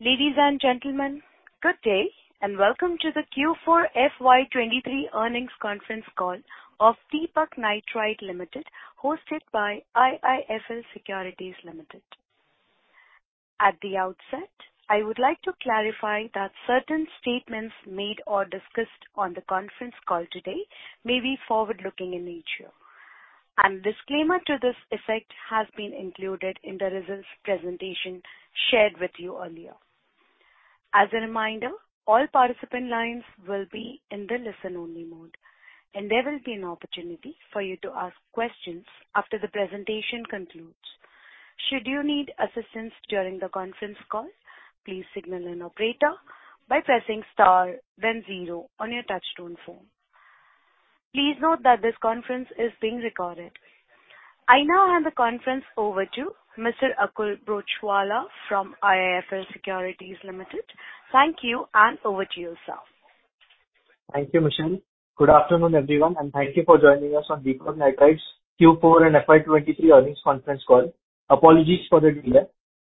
Ladies and gentlemen, good day and welcome to the Q4 FY23 earnings conference call of Deepak Nitrite Limited, hosted by IIFL Securities Limited. At the outset, I would like to clarify that certain statements made or discussed on the conference call today may be forward-looking in nature, and disclaimer to this effect has been included in the results presentation shared with you earlier. As a reminder, all participant lines will be in the listen-only mode, and there will be an opportunity for you to ask questions after the presentation concludes. Should you need assistance during the conference call, please signal an operator by pressing star then 0 on your touchtone phone. Please note that this conference is being recorded. I now hand the conference over to Mr. Akul Broachwala from IIFL Securities Limited. Thank you, and over to you, sir. Thank you, Michelle. Good afternoon, everyone, and thank you for joining us on Deepak Nitrite's Q4 and FY 23 earnings conference call. Apologies for the delay.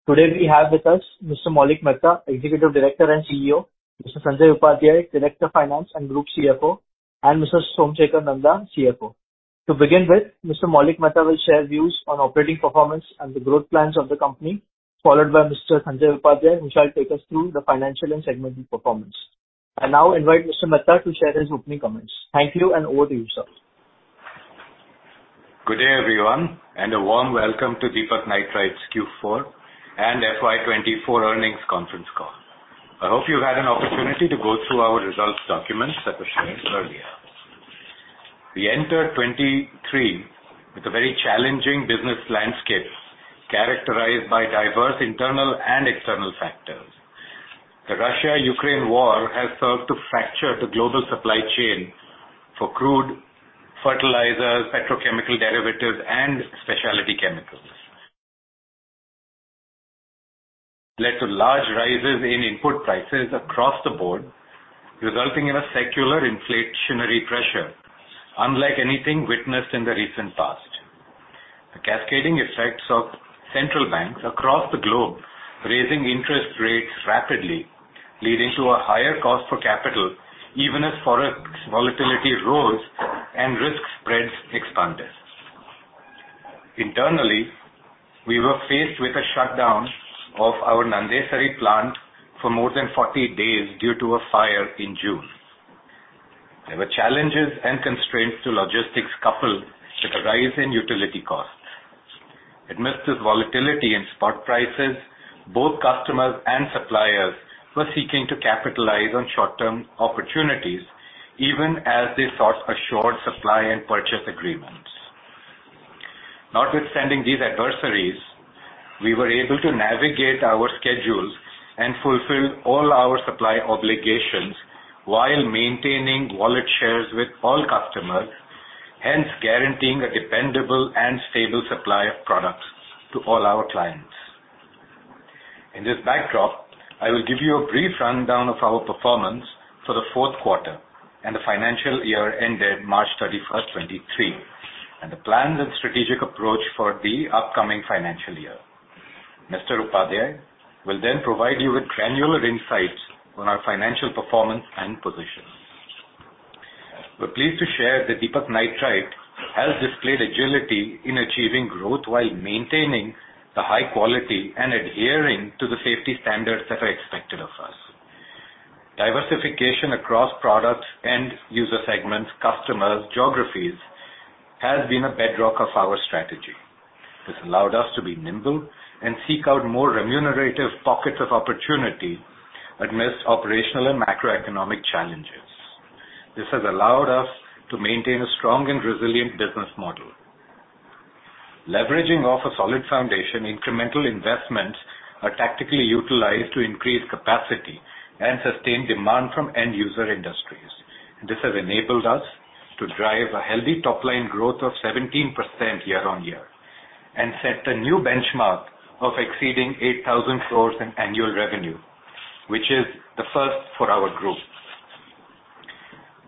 Today we have with us Mr. Maulik Mehta, Executive Director and CEO, Mr. Sanjay Upadhyay, Director Finance and Group CFO, and Mr. Somsekhar Nanda, CFO. To begin with, Mr. Maulik Mehta will share views on operating performance and the growth plans of the company, followed by Mr. Sanjay Upadhyay who shall take us through the financial and segmental performance. I now invite Mr. Mehta to share his opening comments. Thank you, and over to you, sir. Good day, everyone, a warm welcome to Deepak Nitrite's Q4 and FY 2024 earnings conference call. I hope you've had an opportunity to go through our results documents that were shared earlier. We entered 2023 with a very challenging business landscape characterized by diverse internal and external factors. The Russia-Ukraine war has served to fracture the global supply chain for crude fertilizers, petrochemical derivatives and specialty chemicals. Led to large rises in input prices across the board, resulting in a secular inflationary pressure unlike anything witnessed in the recent past. The cascading effects of central banks across the globe, raising interest rates rapidly, leading to a higher cost for capital even as forex volatility rose and risk spreads expanded. Internally, we were faced with a shutdown of our Nandesari plant for more than 40 days due to a fire in June. There were challenges and constraints to logistics coupled with a rise in utility costs. Amidst this volatility in spot prices, both customers and suppliers were seeking to capitalize on short-term opportunities even as they sought assured supply and purchase agreements. Notwithstanding these adversities, we were able to navigate our schedules and fulfill all our supply obligations while maintaining wallet shares with all customers, hence guaranteeing a dependable and stable supply of products to all our clients. In this backdrop, I will give you a brief rundown of our performance for the fourth quarter and the financial year ended March 31st, 2023, and the plans and strategic approach for the upcoming financial year. Mr. Upadhyay will then provide you with granular insights on our financial performance and position. We're pleased to share that Deepak Nitrite has displayed agility in achieving growth while maintaining the high quality and adhering to the safety standards that are expected of us. Diversification across products and user segments, customers, geographies has been a bedrock of our strategy. This allowed us to be nimble and seek out more remunerative pockets of opportunity amidst operational and macroeconomic challenges. This has allowed us to maintain a strong and resilient business model. Leveraging off a solid foundation, incremental investments are tactically utilized to increase capacity and sustain demand from end user industries. This has enabled us to drive a healthy top-line growth of 17% year-over-year and set a new benchmark of exceeding 8,000 crore in annual revenue, which is the first for our group.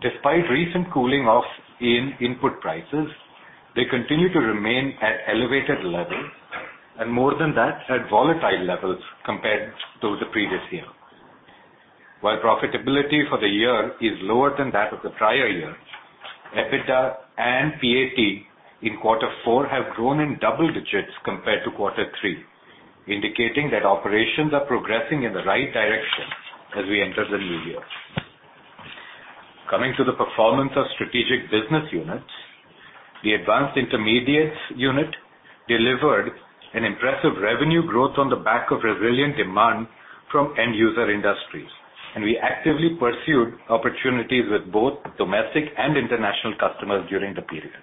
Despite recent cooling off in input prices, they continue to remain at elevated levels and more than that, at volatile levels compared to the previous year. While profitability for the year is lower than that of the prior year, EBITDA and PAT in Q4 have grown in double digits compared to Q3, indicating that operations are progressing in the right direction as we enter the new year. Coming to the performance of strategic business units, the advanced intermediates unit delivered an impressive revenue growth on the back of resilient demand from end user industries, and we actively pursued opportunities with both domestic and international customers during the period.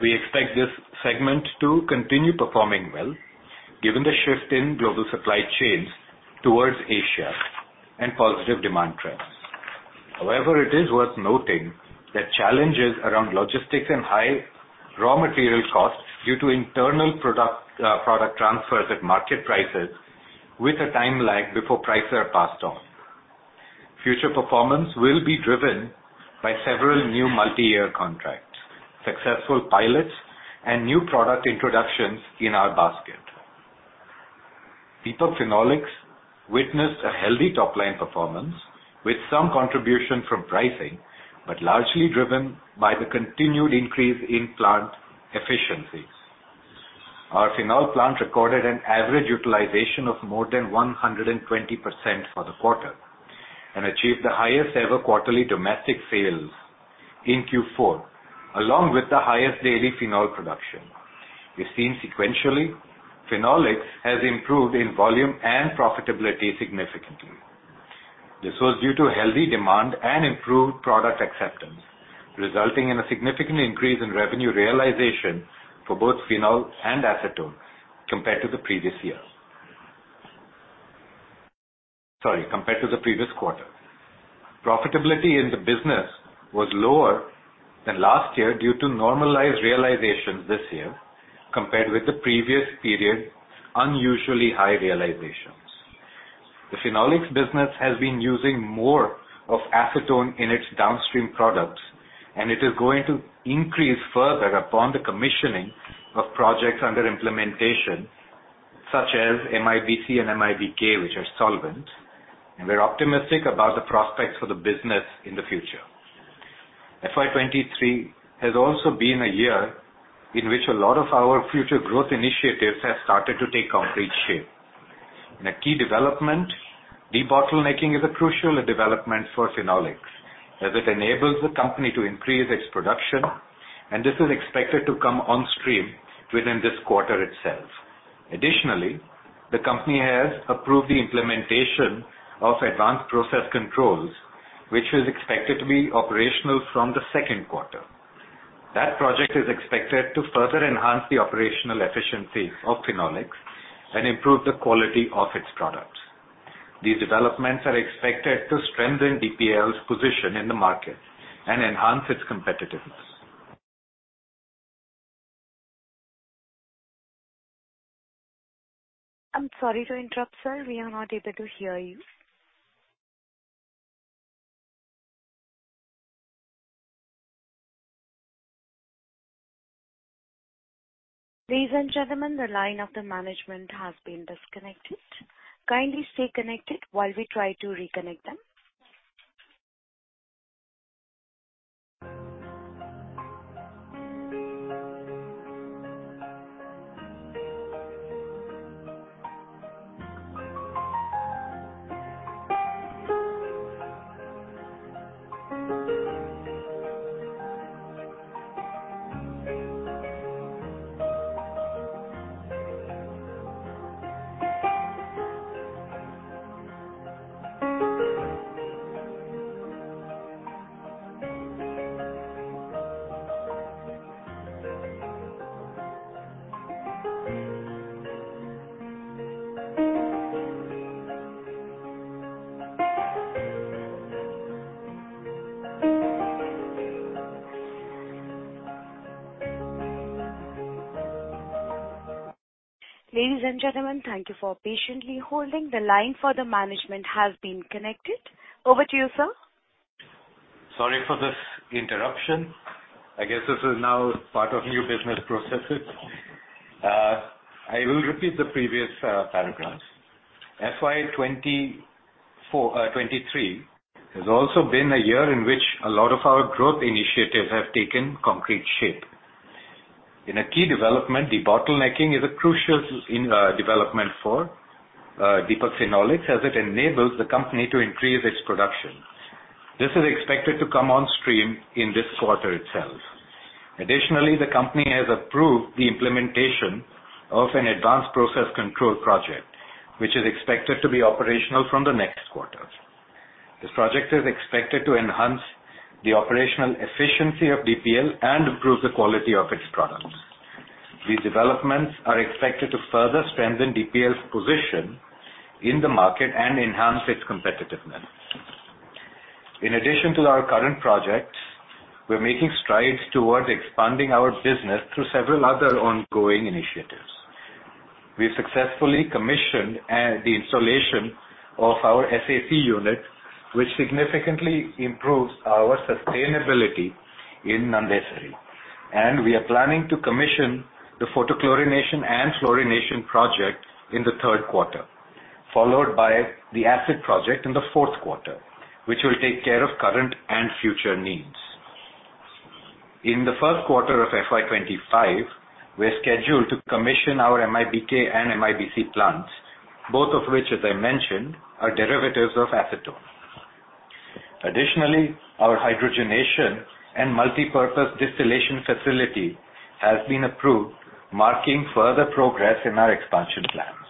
We expect this segment to continue performing well given the shift in global supply chains towards Asia and positive demand trends. However, it is worth noting that challenges around logistics and high raw material costs due to internal product transfers at market prices with a time lag before prices are passed on. Future performance will be driven by several new multi-year contracts, successful pilots and new product introductions in our basket. Deepak Phenolics witnessed a healthy top line performance with some contribution from pricing, but largely driven by the continued increase in plant efficiencies. Our phenol plant recorded an average utilization of more than 120% for the quarter and achieved the highest ever quarterly domestic sales in Q4, along with the highest daily phenol production. We've seen sequentially, Phenolics has improved in volume and profitability significantly. This was due to healthy demand and improved product acceptance, resulting in a significant increase in revenue realization for both phenol and acetone compared to the previous year. Sorry, compared to the previous quarter. Profitability in the business was lower than last year due to normalized realizations this year compared with the previous period unusually high realizations. The Phenolics business has been using more of acetone in its downstream products. It is going to increase further upon the commissioning of projects under implementation such as MIBC and MIBK, which are solvent. We're optimistic about the prospects for the business in the future. FY 23 has also been a year in which a lot of our future growth initiatives have started to take concrete shape. In a key development, debottlenecking is a crucial development for Phenolics, as it enables the company to increase its production. This is expected to come on stream within this quarter itself. Additionally, the company has approved the implementation of advanced process controls, which is expected to be operational from the second quarter. That project is expected to further enhance the operational efficiencies of Phenolics and improve the quality of its products. These developments are expected to strengthen DPL's position in the market and enhance its competitiveness. I'm sorry to interrupt, sir. We are not able to hear you. Ladies and gentlemen, the line of the management has been disconnected. Kindly stay connected while we try to reconnect them. Ladies and gentlemen, thank you for patiently holding. The line for the management has been connected. Over to you, sir. Sorry for this interruption. I guess this is now part of new business processes. I will repeat the previous paragraphs. FY 2024, 2023 has also been a year in which a lot of our growth initiatives have taken concrete shape. In a key development, debottlenecking is a crucial development for Deepak Phenolics as it enables the company to increase its production. This is expected to come on stream in this quarter itself. Additionally, the company has approved the implementation of an advanced process control project, which is expected to be operational from the next quarter. This project is expected to enhance the operational efficiency of DPL and improve the quality of its products. These developments are expected to further strengthen DPL's position in the market and enhance its competitiveness. In addition to our current projects, we're making strides towards expanding our business through several other ongoing initiatives. We successfully commissioned the installation of our SAP unit, which significantly improves our sustainability in Nandesari. We are planning to commission the photo-chlorination and fluorination project in the third quarter, followed by the acid project in the fourth quarter, which will take care of current and future needs. In the first quarter of FY 25, we're scheduled to commission our MIBK and MIBC plants, both of which, as I mentioned, are derivatives of acetone. Additionally, our hydrogenation and multipurpose distillation facility has been approved, marking further progress in our expansion plans.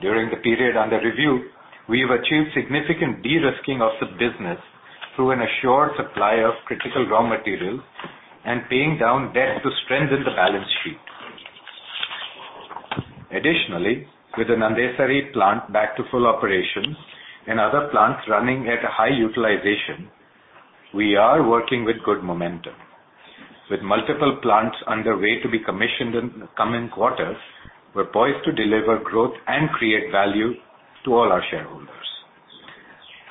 During the period under review, we have achieved significant de-risking of the business through an assured supply of critical raw materials and paying down debt to strengthen the balance sheet. Additionally, with the Nandesari plant back to full operations and other plants running at a high utilization. We are working with good momentum. With multiple plants underway to be commissioned in the coming quarters, we're poised to deliver growth and create value to all our shareholders.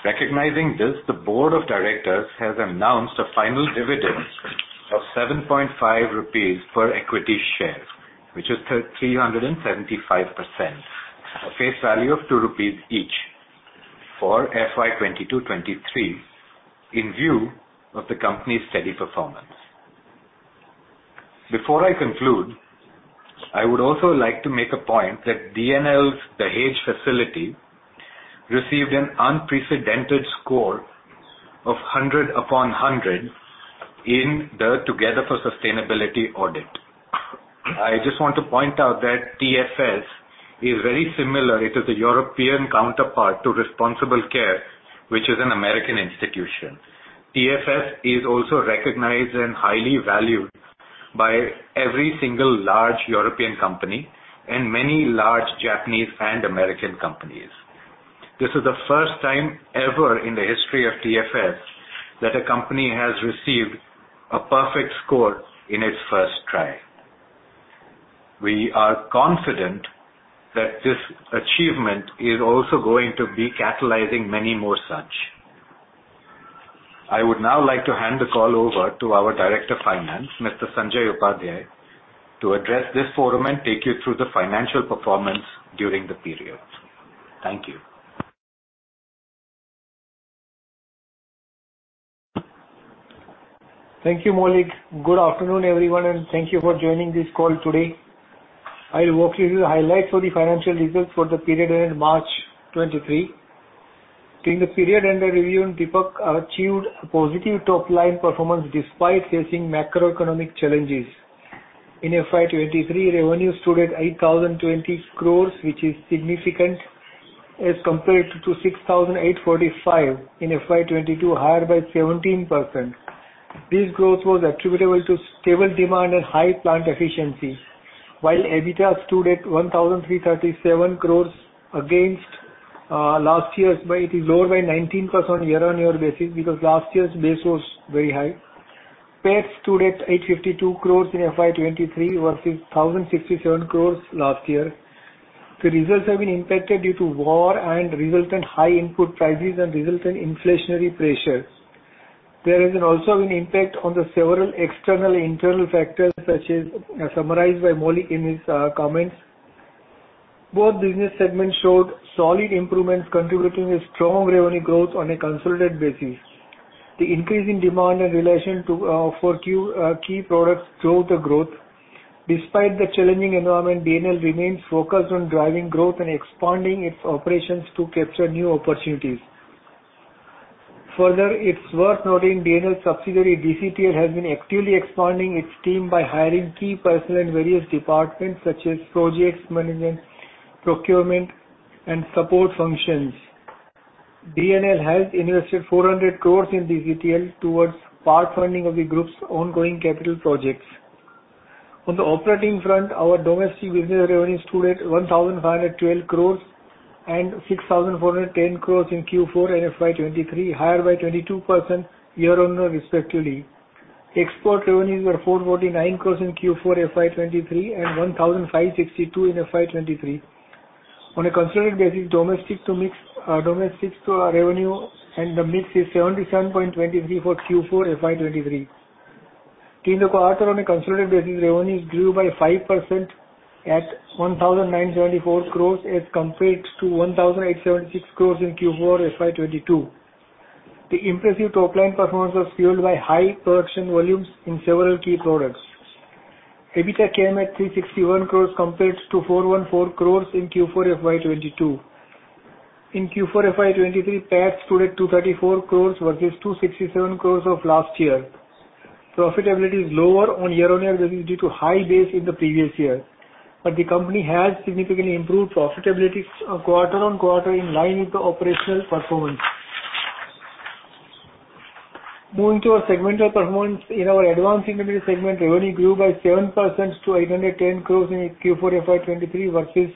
Recognizing this, the board of directors has announced a final dividend of 7.5 rupees per equity share, which is 375% of face value of 2 rupees each for FY 2022-2023, in view of the company's steady performance. Before I conclude, I would also like to make a point that DNL's Dahej facility received an unprecedented score of 100 upon 100 in the Together for Sustainability audit. I just want to point out that TFS is very similar. It is the European counterpart to Responsible Care, which is an American institution. TFS is also recognized and highly valued by every single large European company and many large Japanese and American companies. This is the first time ever in the history of TFS that a company has received a perfect score in its first try. We are confident that this achievement is also going to be catalyzing many more such. I would now like to hand the call over to our Director of Finance, Mr. Sanjay Upadhyay, to address this forum and take you through the financial performance during the period. Thank you. Thank you, Maulik. Good afternoon, everyone, and thank you for joining this call today. I will walk you through the highlights of the financial results for the period ending March 2023. During the period under review, Deepak Nitrite achieved a positive top-line performance despite facing macroeconomic challenges. In FY 2023, revenue stood at 8,020 crores, which is significant as compared to 6,845 in FY 2022, higher by 17%. This growth was attributable to stable demand and high plant efficiency. While EBITDA stood at 1,337 crores against last year's, but it is lower by 19% year-on-year basis because last year's base was very high. PAT stood at 852 crores in FY 2023 versus 1,067 crores last year. The results have been impacted due to war and resultant high input prices and resultant inflationary pressures. There has also been impact on the several external internal factors, such as, summarized by Maulik in his comments. Both business segments showed solid improvements, contributing a strong revenue growth on a consolidated basis. The increasing demand in relation to, for key products drove the growth. Despite the challenging environment, DNL remains focused on driving growth and expanding its operations to capture new opportunities. Further, it's worth noting DNL's subsidiary, DCTL, has been actively expanding its team by hiring key personnel in various departments, such as projects, management, procurement, and support functions. DNL has invested 400 crores in DCTL towards part funding of the group's ongoing capital projects. On the operating front, our domestic business revenue stood at 1,512 crores and 6,410 crores in Q4 and FY 2023, higher by 22% year-on-year respectively. Export revenues were 449 crore in Q4 FY23 and 1,562 crore in FY23. On a consolidated basis, domestic to revenue and the mix is 77.23% for Q4 FY23. In the quarter on a consolidated basis, revenues grew by 5% at 1,974 crore as compared to 1,876 crore in Q4 FY22. The impressive top-line performance was fueled by high production volumes in several key products. EBITDA came at 361 crore compared to 414 crore in Q4 FY22. In Q4 FY23, PAT stood at 234 crore versus 267 crore of last year. Profitability is lower on year-on-year basis due to high base in the previous year. The company has significantly improved profitability quarter-on-quarter in line with the operational performance. Moving to our segmental performance. In our advanced engineering segment, revenue grew by 7% to 810 crores in Q4 FY 2023 versus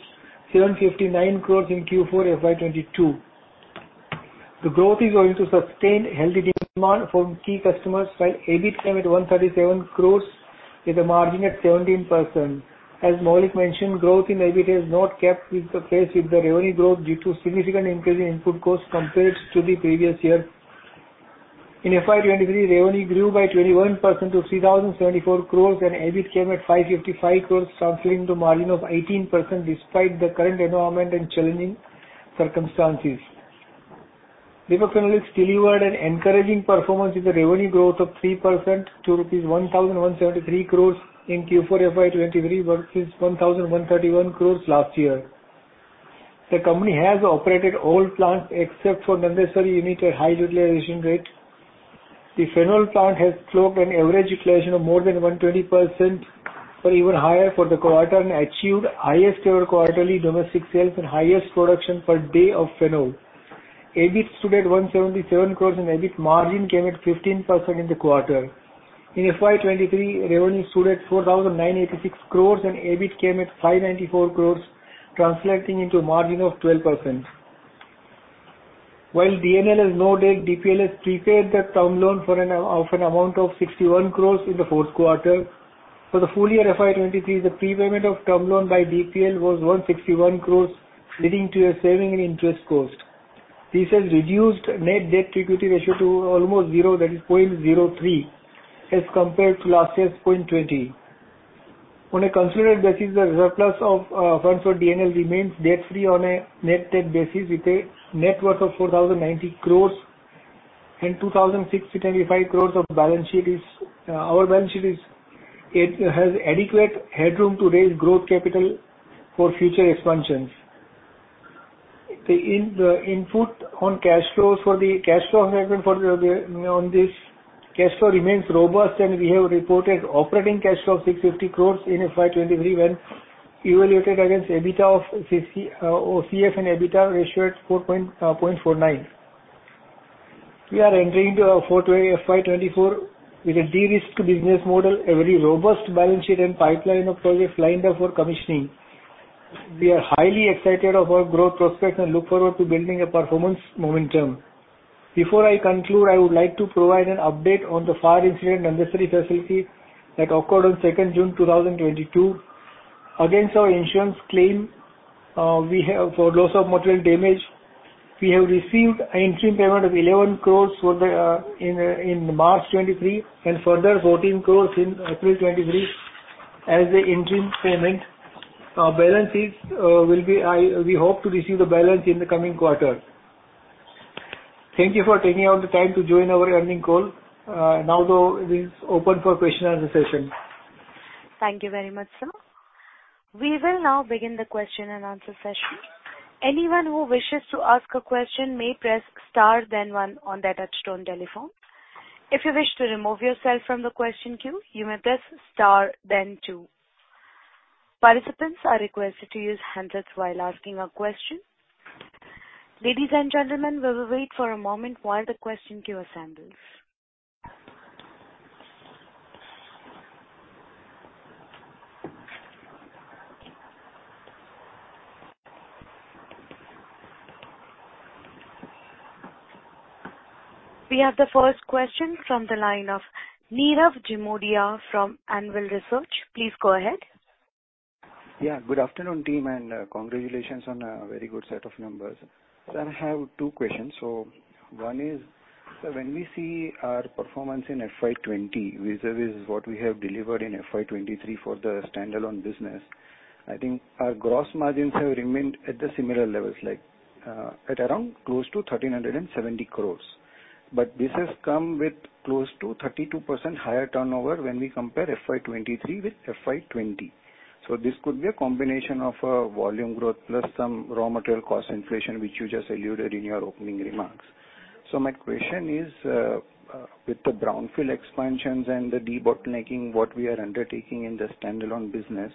759 crores in Q4 FY 2022. The growth is owing to sustained healthy demand from key customers while EBIT came at 137 crores with a margin at 17%. As Maulik mentioned, growth in EBIT has not kept with the pace with the revenue growth due to significant increase in input costs compared to the previous year. In FY 2023, revenue grew by 21% to 3,074 crores and EBIT came at 555 crores, translating to a margin of 18% despite the current environment and challenging circumstances. Deepak Phenolics delivered an encouraging performance with a revenue growth of 3% to rupees 1,173 crores in Q4 FY23 versus 1,131 crores last year. The company has operated all plants, except for Nandesari unit at high utilization rate. The Phenol plant has clocked an average utilization of more than 120% or even higher for the quarter and achieved highest ever quarterly domestic sales and highest production per day of Phenol. EBIT stood at 177 crores. EBIT margin came at 15% in the quarter. In FY23, revenue stood at 4,986 crores. EBIT came at 594 crores, translating into a margin of 12%. While DNL has no debt, DPL has prepaid the term loan for an amount of 61 crores in the 4th quarter. For the full year FY23, the prepayment of term loan by DPL was 161 crores, leading to a saving in interest cost. This has reduced net debt to equity ratio to almost 0, that is 0.03, as compared to last year's 0.20. On a consolidated basis, the surplus of funds for DNL remains debt-free on a net debt basis with a net worth of 4,090 crores and 2,675 crores of balance sheet is, our balance sheet is it has adequate headroom to raise growth capital for future expansions. The input on cash flows for the cash flow segment on this cash flow remains robust. We have reported operating cash flow of 650 crore in FY23 when evaluated against EBITDA, OCF and EBITDA ratio at 0.49. We are entering into FY24 with a de-risked business model, a very robust balance sheet and pipeline of projects lined up for commissioning. We are highly excited of our growth prospects and look forward to building a performance momentum. Before I conclude, I would like to provide an update on the fire incident in the Dahej facility that occurred on June 2, 2022. Against our insurance claim, we have for loss of material damage, we have received an interim payment of 11 crores for the, in March 2023 and further 14 crores in April 2023 as the interim payment. Our balance sheet. We hope to receive the balance in the coming quarter. Thank you for taking out the time to join our earnings call. It is open for question and answer session. Thank you very much, sir. We will now begin the question and answer session. Anyone who wishes to ask a question may press star then one on their touch-tone telephone. If you wish to remove yourself from the question queue, you may press star then two. Participants are requested to use handouts while asking a question. Ladies and gentlemen, we will wait for a moment while the question queue assembles. We have the first question from the line of Nirav Jimudia from Anvil Research. Please go ahead. Good afternoon, team, and congratulations on a very good set of numbers. Sir, I have two questions. One is, sir, when we see our performance in FY 20 vis-a-vis what we have delivered in FY 23 for the standalone business, I think our gross margins have remained at the similar levels, like, at around close to 1,370 crores. This has come with close to 32% higher turnover when we compare FY 23 with FY 20. This could be a combination of volume growth plus some raw material cost inflation, which you just alluded in your opening remarks. My question is, with the brownfield expansions and the debottlenecking what we are undertaking in the standalone business,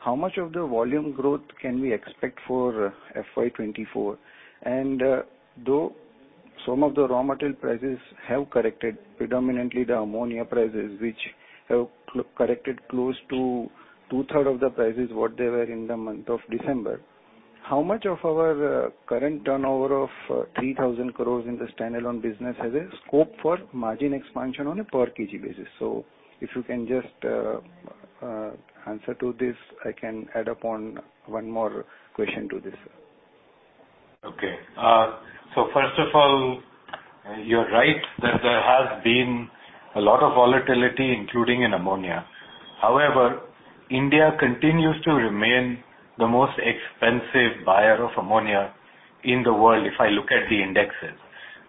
how much of the volume growth can we expect for FY 24? Though some of the raw material prices have corrected, predominantly the ammonia prices, which have corrected close to two-third of the prices what they were in the month of December. How much of our current turnover of 3,000 crores in the standalone business has a scope for margin expansion on a per kg basis? If you can just answer to this, I can add up on one more question to this, sir. Okay. First of all, you're right that there has been a lot of volatility, including in ammonia. However, India continues to remain the most expensive buyer of ammonia in the world, if I look at the indexes.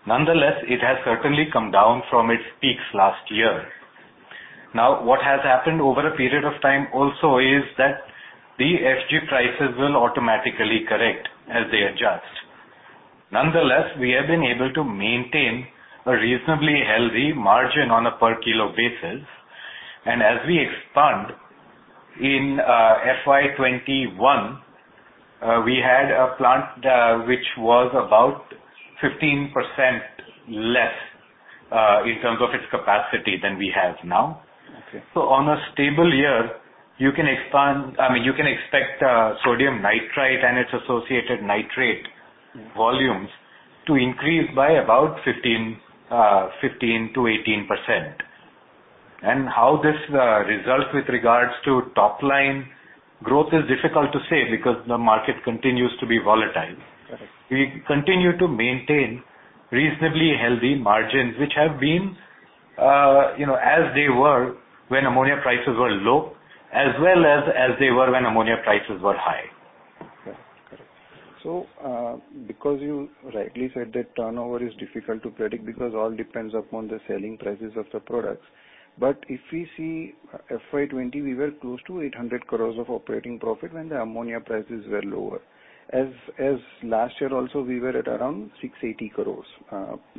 Nonetheless, it has certainly come down from its peaks last year. Now, what has happened over a period of time also is that the FG prices will automatically correct as they adjust. Nonetheless, we have been able to maintain a reasonably healthy margin on a per kilo basis. As we expand in FY 2021, we had a plant which was about 15% less in terms of its capacity than we have now. Okay. On a stable year, I mean, you can expect sodium nitrite and its associated nitrate volumes to increase by about 15%-18%. How this results with regards to top line growth is difficult to say because the market continues to be volatile. Okay. We continue to maintain reasonably healthy margins, which have been, you know, as they were when ammonia prices were low, as well as they were when ammonia prices were high. Okay. Because you rightly said that turnover is difficult to predict because all depends upon the selling prices of the products. If we see FY20, we were close to 800 crores of operating profit when the ammonia prices were lower. As last year also, we were at around 680 crores.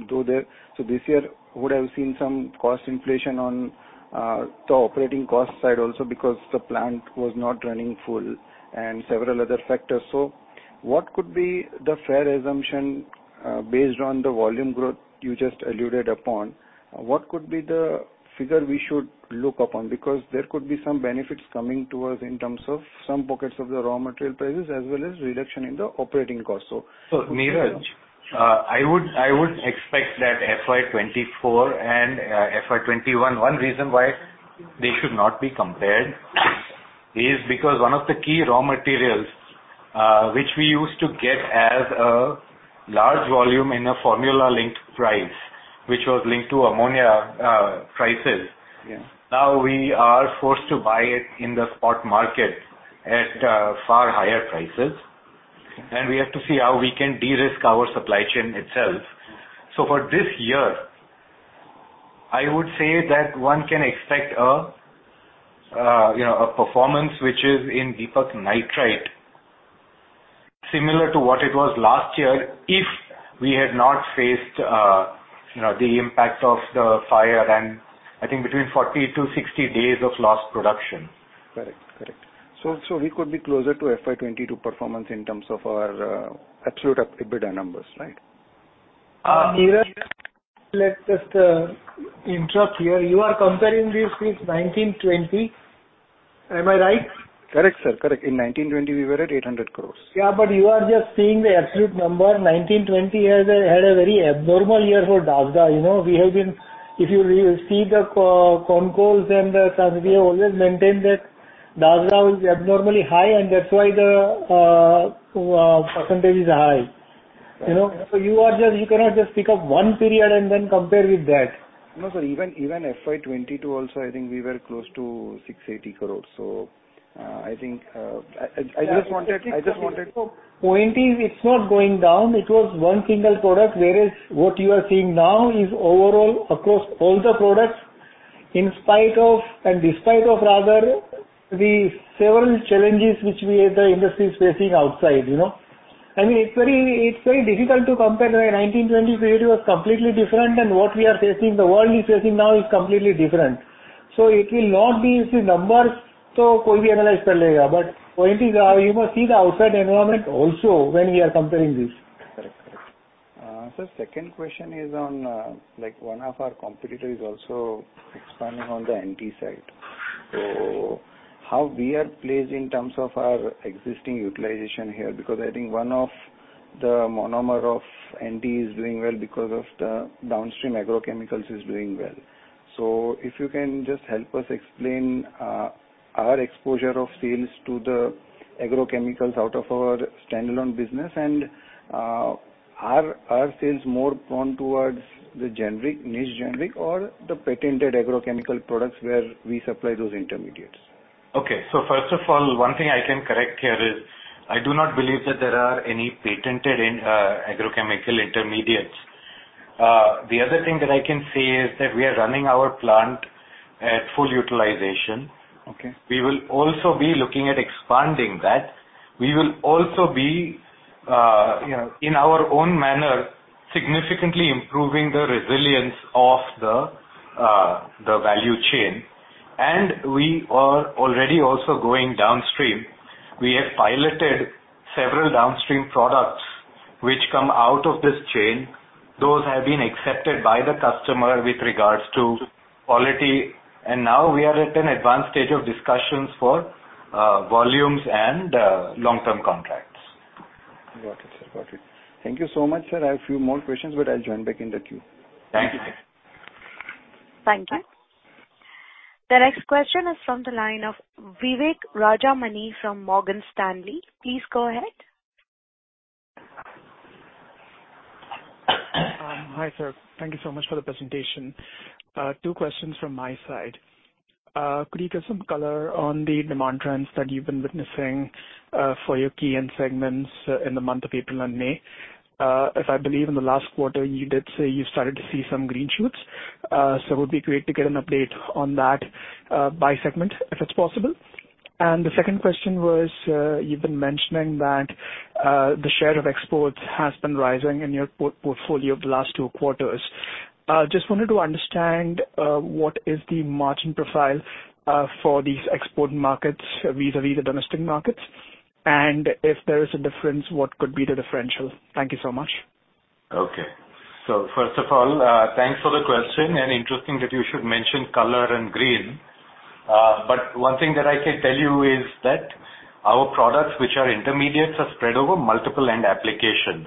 Though there, this year would have seen some cost inflation on the operating cost side also because the plant was not running full and several other factors. What could be the fair assumption, based on the volume growth you just alluded upon? What could be the figure we should look upon? There could be some benefits coming to us in terms of some pockets of the raw material prices as well as reduction in the operating cost. Neeraj, I would expect that FY 2024 and FY 2021, one reason why they should not be compared is because one of the key raw materials, which we used to get as a large volume in a formula linked price, which was linked to ammonia prices. Yeah. Now we are forced to buy it in the spot market at far higher prices, and we have to see how we can de-risk our supply chain itself. For this year, I would say that one can expect a, you know, a performance which is in Deepak Nitrite similar to what it was last year if we had not faced, you know, the impact of the fire and I think between 40-60 days of lost production. Correct. Correct. We could be closer to FY22 performance in terms of our absolute EBITDA numbers, right? Uh- Nirav, let's just interrupt here. You are comparing this with 1920. Am I right? Correct, sir. Correct. In 1920 we were at 800 crores. You are just seeing the absolute number. 19-20 had a very abnormal year for DASDA. You know, we have been. If you re-see the co-con calls and the. We have always maintained that DASDA was abnormally high. That's why the % is high. You know, you cannot just pick up one period and then compare with that. No, sir. Even FY 2022 also, I think we were close to 680 crores. I think I just wanted. Point is it's not going down. It was one single product, whereas what you are seeing now is overall across all the products, in spite of, and despite of rather, the several challenges which we as the industry is facing outside, you know. I mean, it's very, it's very difficult to compare. 1920 period was completely different than what we are facing, the world is facing now is completely different. It will not be... These numbers तो कोई भी analyze कर लेगा. Point is, you must see the outside environment also when we are comparing this. Correct. Correct. Second question is on, like one of our competitor is also expanding on the OBA side. How we are placed in terms of our existing utilization here, because I think one of the monomer of OBA is doing well because of the downstream agrochemicals is doing well. If you can just help us explain our exposure of sales to the agrochemicals out of our standalone business and are sales more prone towards the generic, niche generic or the patented agrochemical products where we supply those intermediates? First of all, one thing I can correct here is I do not believe that there are any patented agrochemical intermediates. The other thing that I can say is that we are running our plant at full utilization. Okay. We will also be looking at expanding that. We will also be, you know, in our own manner, significantly improving the resilience of the value chain. We are already also going downstream. We have piloted several downstream products which come out of this chain. Those have been accepted by the customer with regards to quality, and now we are at an advanced stage of discussions for volumes and long-term contracts. Got it, sir. Got it. Thank you so much, sir. I have a few more questions, but I'll join back in the queue. Thank you, sir. Thank you. The next question is from the line of Vivek Rajamani from Morgan Stanley. Please go ahead. Hi, sir. Thank you so much for the presentation. Two questions from my side. Could you give some color on the demand trends that you've been witnessing, for your key end segments in the month of April and May? If I believe in the last quarter, you did say you started to see some green shoots. It would be great to get an update on that, by segment, if it's possible. The second question was, you've been mentioning that the share of exports has been rising in your portfolio the last two quarters. Just wanted to understand, what is the margin profile for these export markets vis-à-vis the domestic markets? If there is a difference, what could be the differential? Thank you so much. Okay. First of all, thanks for the question, and interesting that you should mention color and green. One thing that I can tell you is that our products, which are intermediates, are spread over multiple end applications.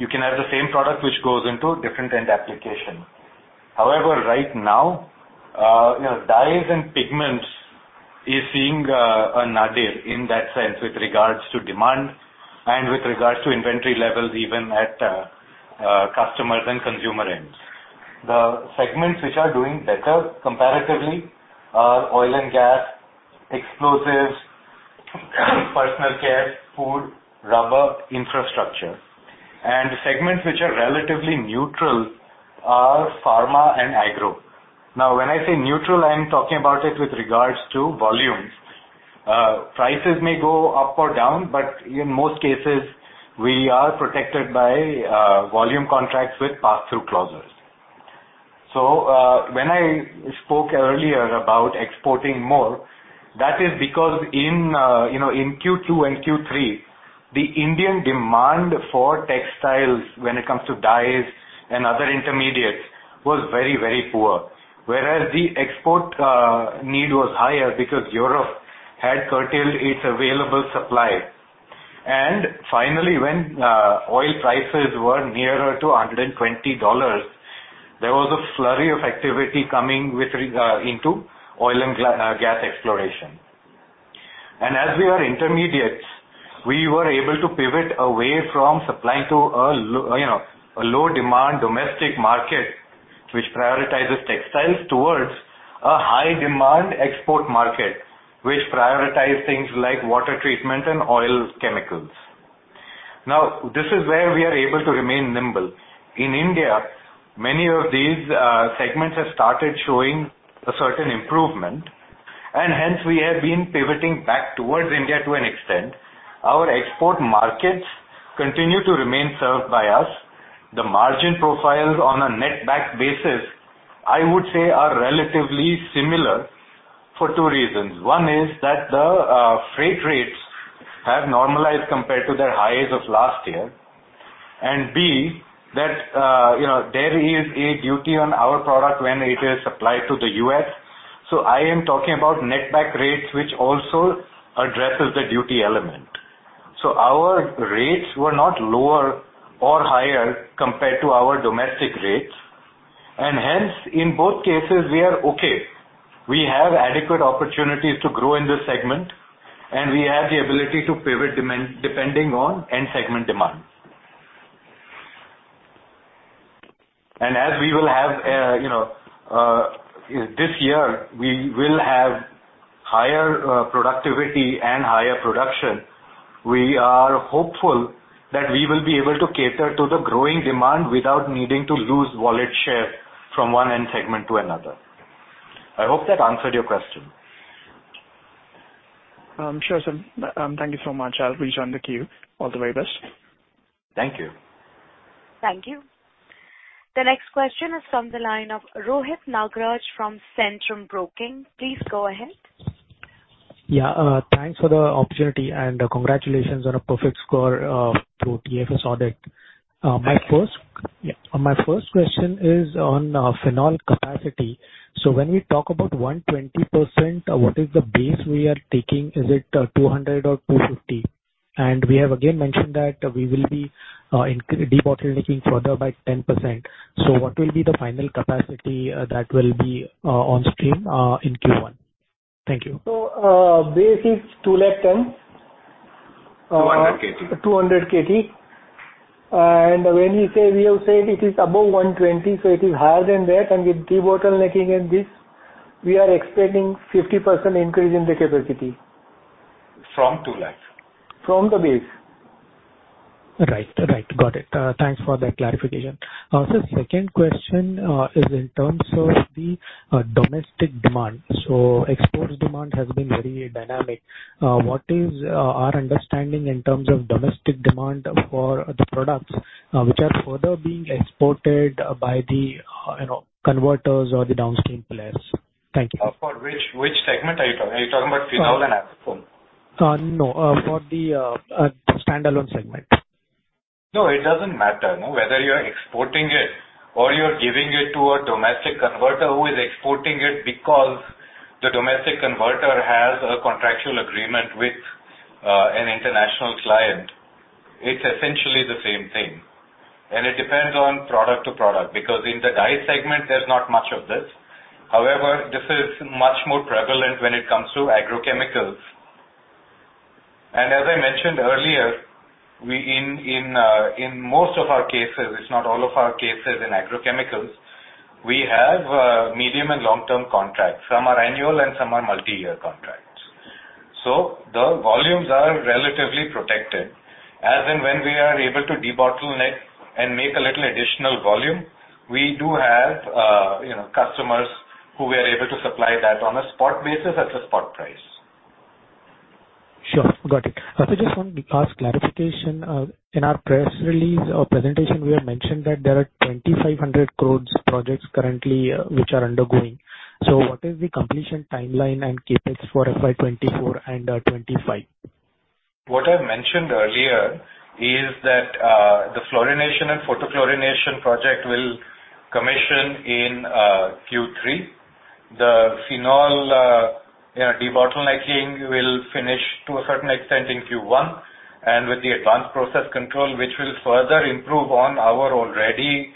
You can have the same product which goes into different end application. However, right now, you know, dyes and pigments is seeing a nadir in that sense with regards to demand and with regards to inventory levels even at customers and consumer ends. The segments which are doing better comparatively are oil and gas, explosives, personal care, food, rubber, infrastructure. The segments which are relatively neutral are pharma and agro. Now, when I say neutral, I am talking about it with regards to volumes. Prices may go up or down, but in most cases we are protected by volume contracts with passthrough clauses. When I spoke earlier about exporting more, that is because in, you know, in Q2 and Q3, the Indian demand for textiles when it comes to dyes and other intermediates was very, very poor. Whereas the export need was higher because Europe had curtailed its available supply. Finally, when oil prices were nearer to $120, there was a flurry of activity coming with into oil and gas exploration. As we are intermediates, we were able to pivot away from supplying to a, you know, a low demand domestic market which prioritizes textiles towards a high demand export market, which prioritize things like water treatment and oil chemicals. Now, this is where we are able to remain nimble. In India, many of these segments have started showing a certain improvement, and hence we have been pivoting back towards India to an extent. Our export markets continue to remain served by us. The margin profiles on a net back basis, I would say, are relatively similar for 2 reasons. One is that the freight rates have normalized compared to their highs of last year. B, that, you know, there is a duty on our product when it is supplied to the US. I am talking about net back rates, which also addresses the duty element. Our rates were not lower or higher compared to our domestic rates, and hence, in both cases we are okay. We have adequate opportunities to grow in this segment. We have the ability to pivot depending on end segment demand. As we will have, you know, this year we will have higher productivity and higher production. We are hopeful that we will be able to cater to the growing demand without needing to lose wallet share from one end segment to another. I hope that answered your question. Sure, sir. Thank you so much. I'll return the queue. All the very best. Thank you. Thank you. The next question is from the line of Rohit Nagraj from Centrum Broking. Please go ahead. Yeah. Thanks for the opportunity. Congratulations on a perfect score through TFS audit. Yeah. My first question is on phenol capacity. When we talk about 120%, what is the base we are taking? Is it 200 or 250? We have again mentioned that we will be debottlenecking further by 10%. What will be the final capacity that will be on stream in Q1? Thank you. Base is 2 lakh tons. 200 KT. 200 KT. When we say we have said it is above 120, so it is higher than that. With debottlenecking and this, we are expecting 50% increase in the capacity. From INR 2 lakh. From the base. Right. Right. Got it. Thanks for that clarification. Second question is in terms of the domestic demand. Exports demand has been very dynamic. What is our understanding in terms of domestic demand for the products, which are further being exported by the, you know, converters or the downstream players? Thank you. For which segment are you talking? Are you talking about Phenol and Acetone? No. for the standalone segment. No, it doesn't matter. No. Whether you're exporting it or you're giving it to a domestic converter who is exporting it because the domestic converter has a contractual agreement with an international client, it's essentially the same thing. It depends on product to product, because in the dye segment there's not much of this. This is much more prevalent when it comes to agrochemicals. As I mentioned earlier, we in most of our cases, it's not all of our cases in agrochemicals, we have medium and long-term contracts. Some are annual and some are multi-year contracts. The volumes are relatively protected. As and when we are able to debottleneck and make a little additional volume, we do have, you know, customers who we are able to supply that on a spot basis at a spot price. Sure. Got it. Just want to ask clarification. In our press release or presentation, we have mentioned that there are 2,500 crores projects currently, which are undergoing. What is the completion timeline and CapEx for FY 2024 and 2025? What I mentioned earlier is that the fluorination and photo-chlorination project will commission in Q3. The Phenol, you know, debottlenecking will finish to a certain extent in Q1. With the advanced process control, which will further improve on our already,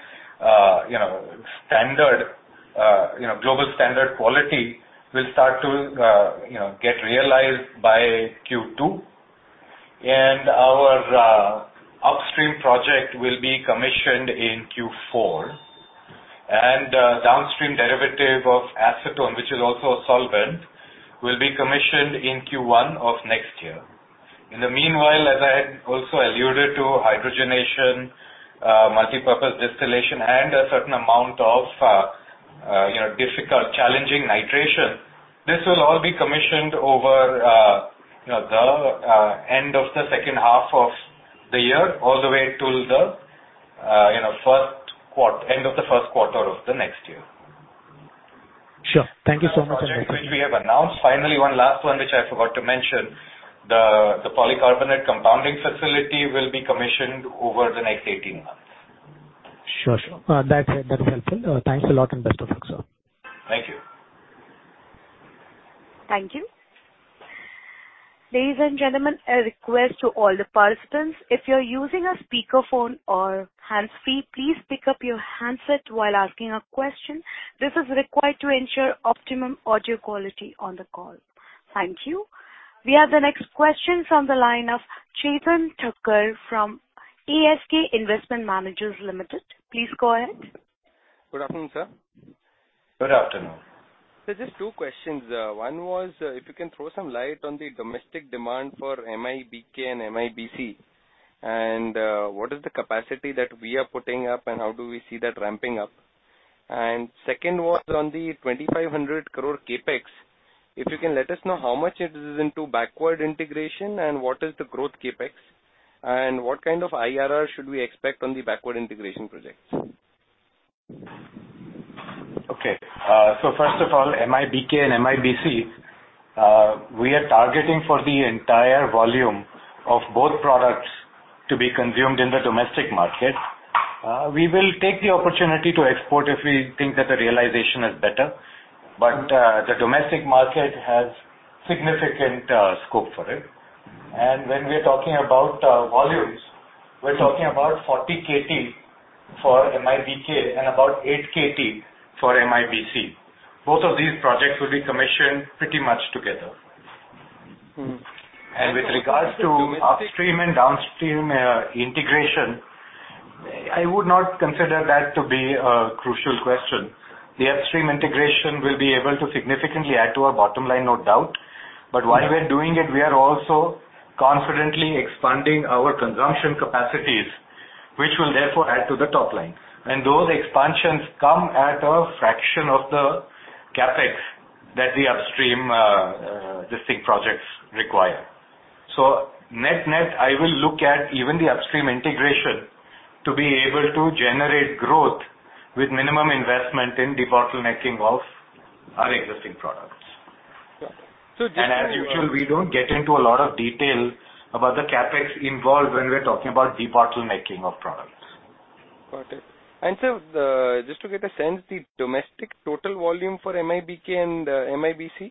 you know, standard, you know, global standard quality will start to, you know, get realized by Q2. Our upstream project will be commissioned in Q4. Downstream derivative of Acetone, which is also a solvent, will be commissioned in Q1 of next year. In the meanwhile, as I had also alluded to hydrogenation, multipurpose distillation and a certain amount of, you know, difficult challenging nitration, this will all be commissioned over, you know, the end of the second half of the year all the way till the, you know, end of the first quarter of the next year. Sure. Thank you so much. The project which we have announced. Finally, one last one, which I forgot to mention. The Polycarbonate compounding facility will be commissioned over the next 18 months. Sure. Sure. That's that is helpful. Thanks a lot and best of luck, sir. Thank you. Thank you. Ladies and gentlemen, a request to all the participants. If you're using a speakerphone or hands-free, please pick up your handset while asking a question. This is required to ensure optimum audio quality on the call. Thank you. We have the next question from the line of Chetan Thakkar from ASK Investment Managers Limited. Please go ahead. Good afternoon, sir. Good afternoon. Sir, just two questions. One was, if you can throw some light on the domestic demand for MIBK and MIBC. What is the capacity that we are putting up, and how do we see that ramping up? Second was on the 2,500 crore CapEx. If you can let us know how much it is into backward integration and what is the growth CapEx, and what kind of IRR should we expect on the backward integration projects? First of all, MIBK and MIBC, we are targeting for the entire volume of both products to be consumed in the domestic market. We will take the opportunity to export if we think that the realization is better. The domestic market has significant scope for it. When we're talking about volumes, we're talking about 40 KT for MIBK and about 8 KT for MIBC. Both of these projects will be commissioned pretty much together. With regards to upstream and downstream integration, I would not consider that to be a crucial question. The upstream integration will be able to significantly add to our bottom line, no doubt. While we're doing it, we are also confidently expanding our consumption capacities, which will therefore add to the top line. Those expansions come at a fraction of the CapEx that the upstream distinct projects require. Net-net, I will look at even the upstream integration to be able to generate growth with minimum investment in debottlenecking of our existing products. Sure. As usual, we don't get into a lot of detail about the CapEx involved when we're talking about debottlenecking of products. Got it. sir, Just to get a sense, the domestic total volume for MIBK and MIBC.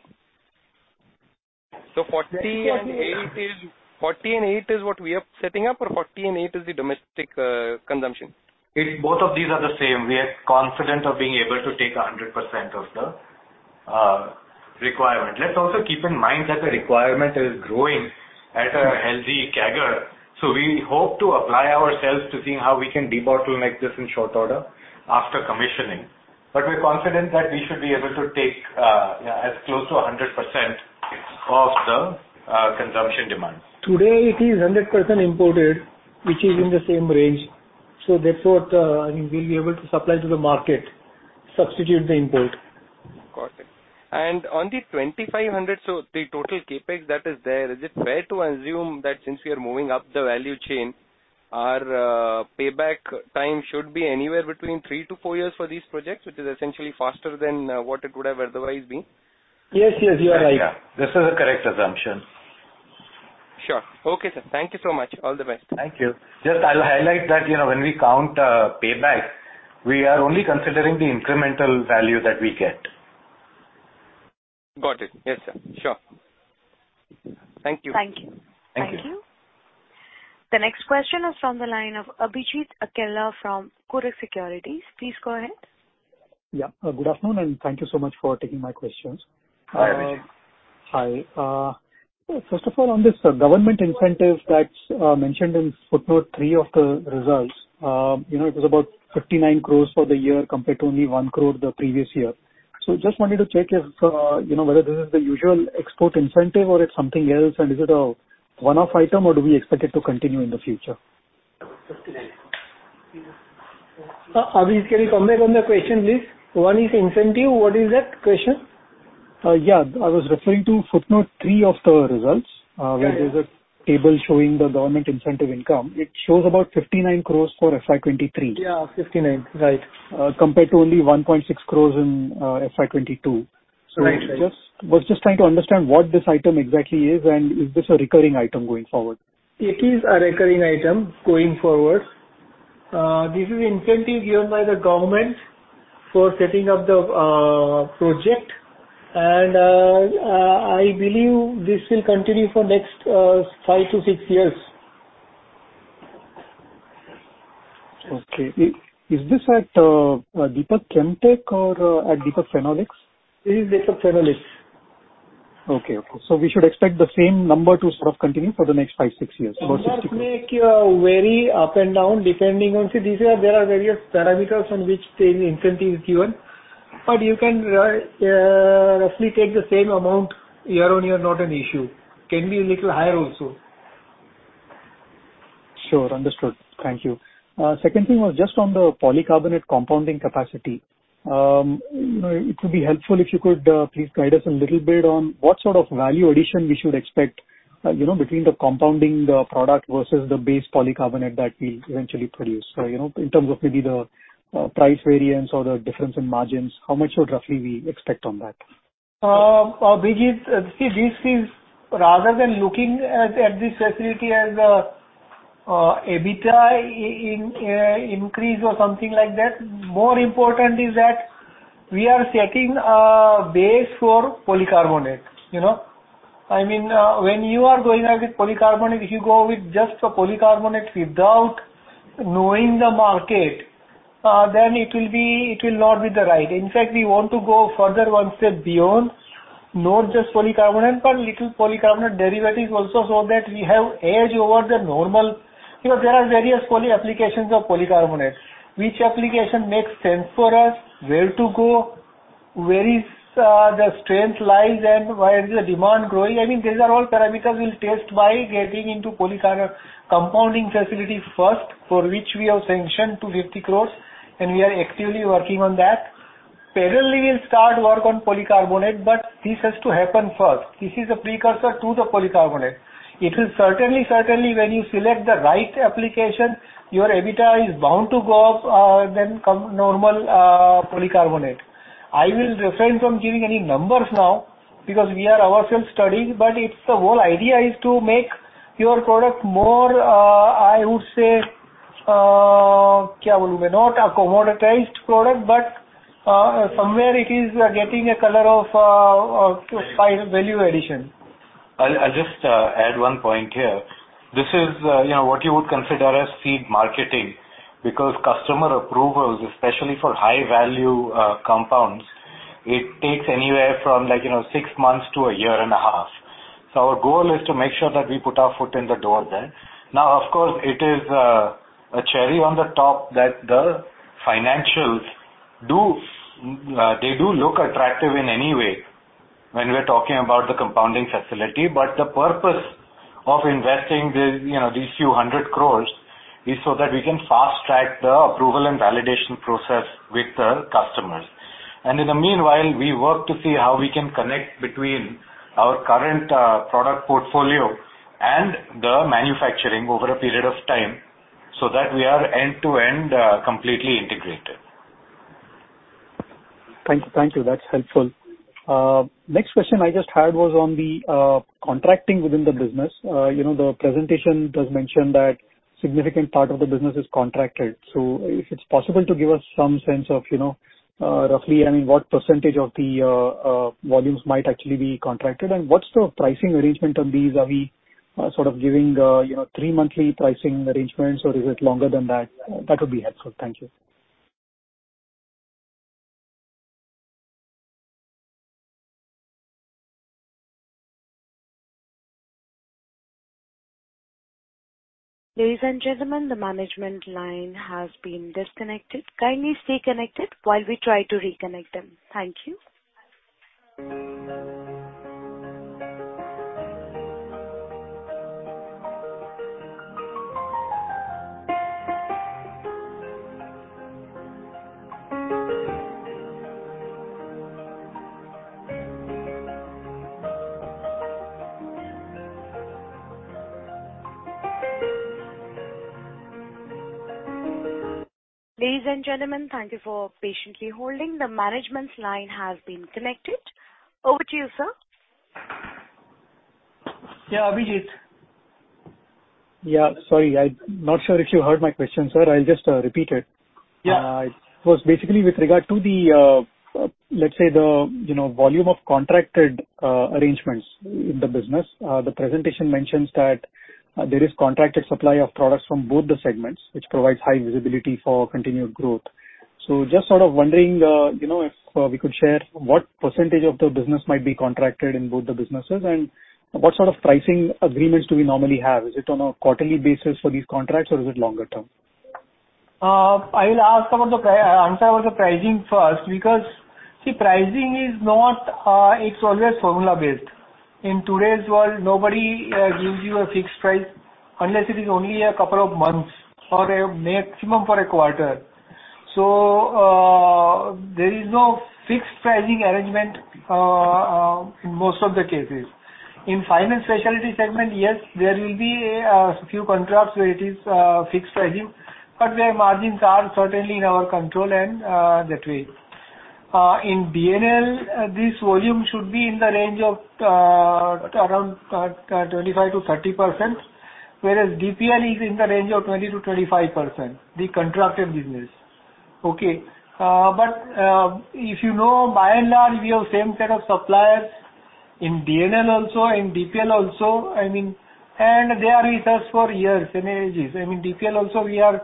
40 and 8 is- Yes. 48 is what we are setting up or 48 is the domestic consumption? It's both of these are the same. We are confident of being able to take a 100% of the requirement. Let's also keep in mind that the requirement is growing at a healthy CAGR. We hope to apply ourselves to seeing how we can debottleneck this in short order after commissioning. We're confident that we should be able to take as close to a 100% of the consumption demands. Today it is 100% imported, which is in the same range. That's what, I mean, we'll be able to supply to the market, substitute the import. Got it. On the 2,500, so the total CapEx that is there, is it fair to assume that since we are moving up the value chain, our payback time should be anywhere between 3 to 4 years for these projects, which is essentially faster than what it would have otherwise been? Yes. Yes, you are right. Yeah. This is a correct assumption. Sure. Okay, sir. Thank you so much. All the best. Thank you. Just I'll highlight that, you know, when we count payback, we are only considering the incremental value that we get. Got it. Yes, sir. Sure. Thank you. Thank you. Thank you. Thank you. The next question is from the line of Abhijit Akella from Kotak Securities. Please go ahead. Yeah. Good afternoon. Thank you so much for taking my questions. Hi, Abhijit. Hi. First of all, on this government incentive that's mentioned in footnote three of the results, you know, it was about 59 crore for the year compared to only 1 crore the previous year. Just wanted to check if, you know, whether this is the usual export incentive or it's something else. Is it a one-off item or do we expect it to continue in the future? 59. Abhijit, can you comment on the question, please? 1 is incentive. What is that question? Yeah. I was referring to footnote 3 of the results. Yeah. Where there's a table showing the government incentive income. It shows about 59 crores for FY 2023. Yeah, 59. Right. compared to only 1.6 crores in FY22. Right. Right. Was just trying to understand what this item exactly is and is this a recurring item going forward? It is a recurring item going forward. This is incentive given by the government for setting up the project. I believe this will continue for next 5-6 years. Okay. Is this at Deepak Chemtech or at Deepak Phenolics? This is Deepak Phenolics. Okay. Okay. We should expect the same number to sort of continue for the next five, six years, more or less? It does make, vary up and down depending on. See, there are various parameters on which the incentive is given. You can, roughly take the same amount year-on-year, not an issue. Can be a little higher also. Sure. Understood. Thank you. Second thing was just on the polycarbonate compounding capacity. It would be helpful if you could please guide us a little bit on what sort of value addition we should expect, you know, between the compounding the product versus the base polycarbonate that we eventually produce. You know, in terms of maybe the price variance or the difference in margins, how much should roughly we expect on that? Abhijit, see this is rather than looking at this facility as a EBITDA increase or something like that, more important is that we are setting a base for polycarbonate, you know. I mean, when you are going with polycarbonate, if you go with just a polycarbonate without knowing the market, then it will not be the right. In fact, we want to go further one step beyond, not just polycarbonate, but little polycarbonate derivatives also so that we have edge over the normal. You know, there are various applications of polycarbonate. Which application makes sense for us, where to go, where is the strength lies and where is the demand growing? I mean, these are all parameters we'll test by getting into polycarbonate compounding facility first, for which we have sanctioned 50 crores. We are actively working on that. Parallelly, we'll start work on polycarbonate. This has to happen first. This is a precursor to the polycarbonate. It will certainly when you select the right application, your EBITDA is bound to go up than normal polycarbonate. I will refrain from giving any numbers now because we are ourselves studying, but it's the whole idea is to make your product more, I would say, not a commoditized product, but somewhere it is getting a color of value addition. I'll just add one point here. This is, you know, what you would consider as seed marketing, because customer approvals, especially for high value compounds, it takes anywhere from like, you know, six months to a year and a half. Our goal is to make sure that we put our foot in the door there. Now, of course, it is a cherry on the top that the financials do, they do look attractive in any way when we're talking about the compounding facility. The purpose of investing this, you know, these few hundred crores is so that we can fast-track the approval and validation process with the customers. In the meanwhile, we work to see how we can connect between our current product portfolio and the manufacturing over a period of time so that we are end-to-end, completely integrated. Thank you. Thank you. That's helpful. Next question I just had was on the contracting within the business. You know, the presentation does mention that significant part of the business is contracted. If it's possible to give us some sense of, you know, roughly, I mean, what percentage of the volumes might actually be contracted, and what's the pricing arrangement on these? Are we sort of giving, you know, three monthly pricing arrangements, or is it longer than that? That would be helpful. Thank you. Ladies and gentlemen, the management line has been disconnected. Kindly stay connected while we try to reconnect them. Thank you. Ladies and gentlemen, thank you for patiently holding. The management's line has been connected. Over to you, sir. Yeah, Abhijit. Yeah. Sorry, I'm not sure if you heard my question, sir. I'll just repeat it. Yeah. It was basically with regard to the, let's say the, you know, volume of contracted arrangements in the business. The presentation mentions that there is contracted supply of products from both the segments, which provides high visibility for continued growth. Just sort of wondering, you know, if we could share what % of the business might be contracted in both the businesses and what sort of pricing agreements do we normally have? Is it on a quarterly basis for these contracts or is it longer term? I will answer about the pricing first because, see, pricing is not, it's always formula-based. In today's world, nobody gives you a fixed price unless it is only a couple of months or a maximum for a quarter. There is no fixed pricing arrangement in most of the cases. In Finance Specialty segment, yes, there will be a few contracts where it is fixed pricing, but their margins are certainly in our control and that way. In DNL, this volume should be in the range of around 25%-30%, whereas DPL is in the range of 20%-25%, the contracted business. Okay? If you know, by and large, we have same set of suppliers in DNL also, in DPL also, I mean, and they are with us for years and ages. I mean, DPL also we are,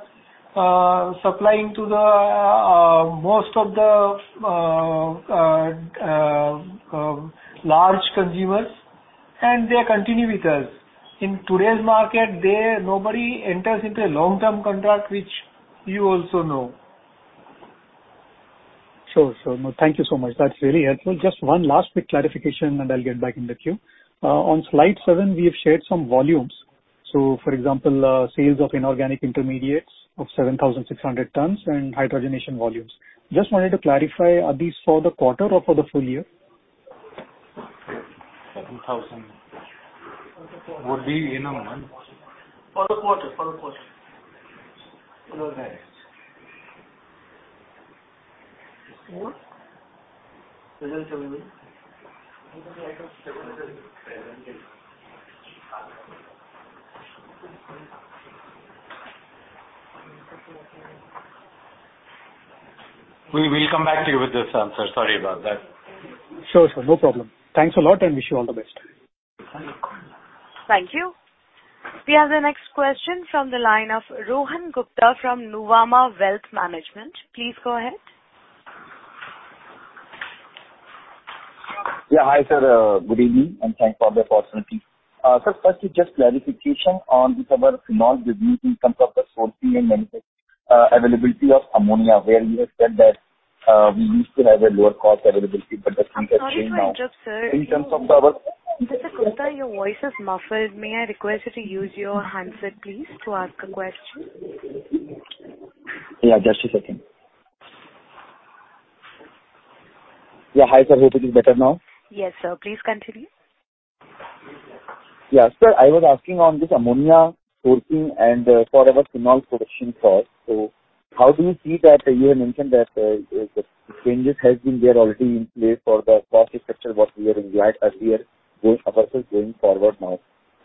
supplying to the, most of the, large consumers, and they continue with us. In today's market, nobody enters into a long-term contract, which you also know. Sure, sure. Thank you so much. That's really helpful. Just one last quick clarification, I'll get back in the queue. On slide 7, we have shared some volumes. So for example, sales of inorganic intermediates of 7,600 tons and hydrogenation volumes. Just wanted to clarify, are these for the quarter or for the full year? 7,000. Would be in a month. For the quarter. We will come back to you with this answer. Sorry about that. Sure, sir. No problem. Thanks a lot. Wish you all the best. Thank you. We have the next question from the line of Rohan Gupta from Nuvama Wealth Management. Please go ahead. Yeah. Hi, sir. good evening, and thanks for the opportunity. Firstly, just clarification on with our Phenol business in terms of the sourcing and availability of ammonia, where you have said that, we still have a lower cost availability, but the things have changed now. I'm sorry to interrupt, sir. In terms of our-... Mr. Gupta, your voice is muffled. May I request you to use your handset, please, to ask a question? Yeah, just a second. Yeah. Hi, sir. Hope it is better now. Yes, sir. Please continue. Yeah. Sir, I was asking on this ammonia sourcing and for our Phenol production cost. How do you see that you have mentioned that, the changes has been there already in place for the cost structure what we had earlier versus going forward now.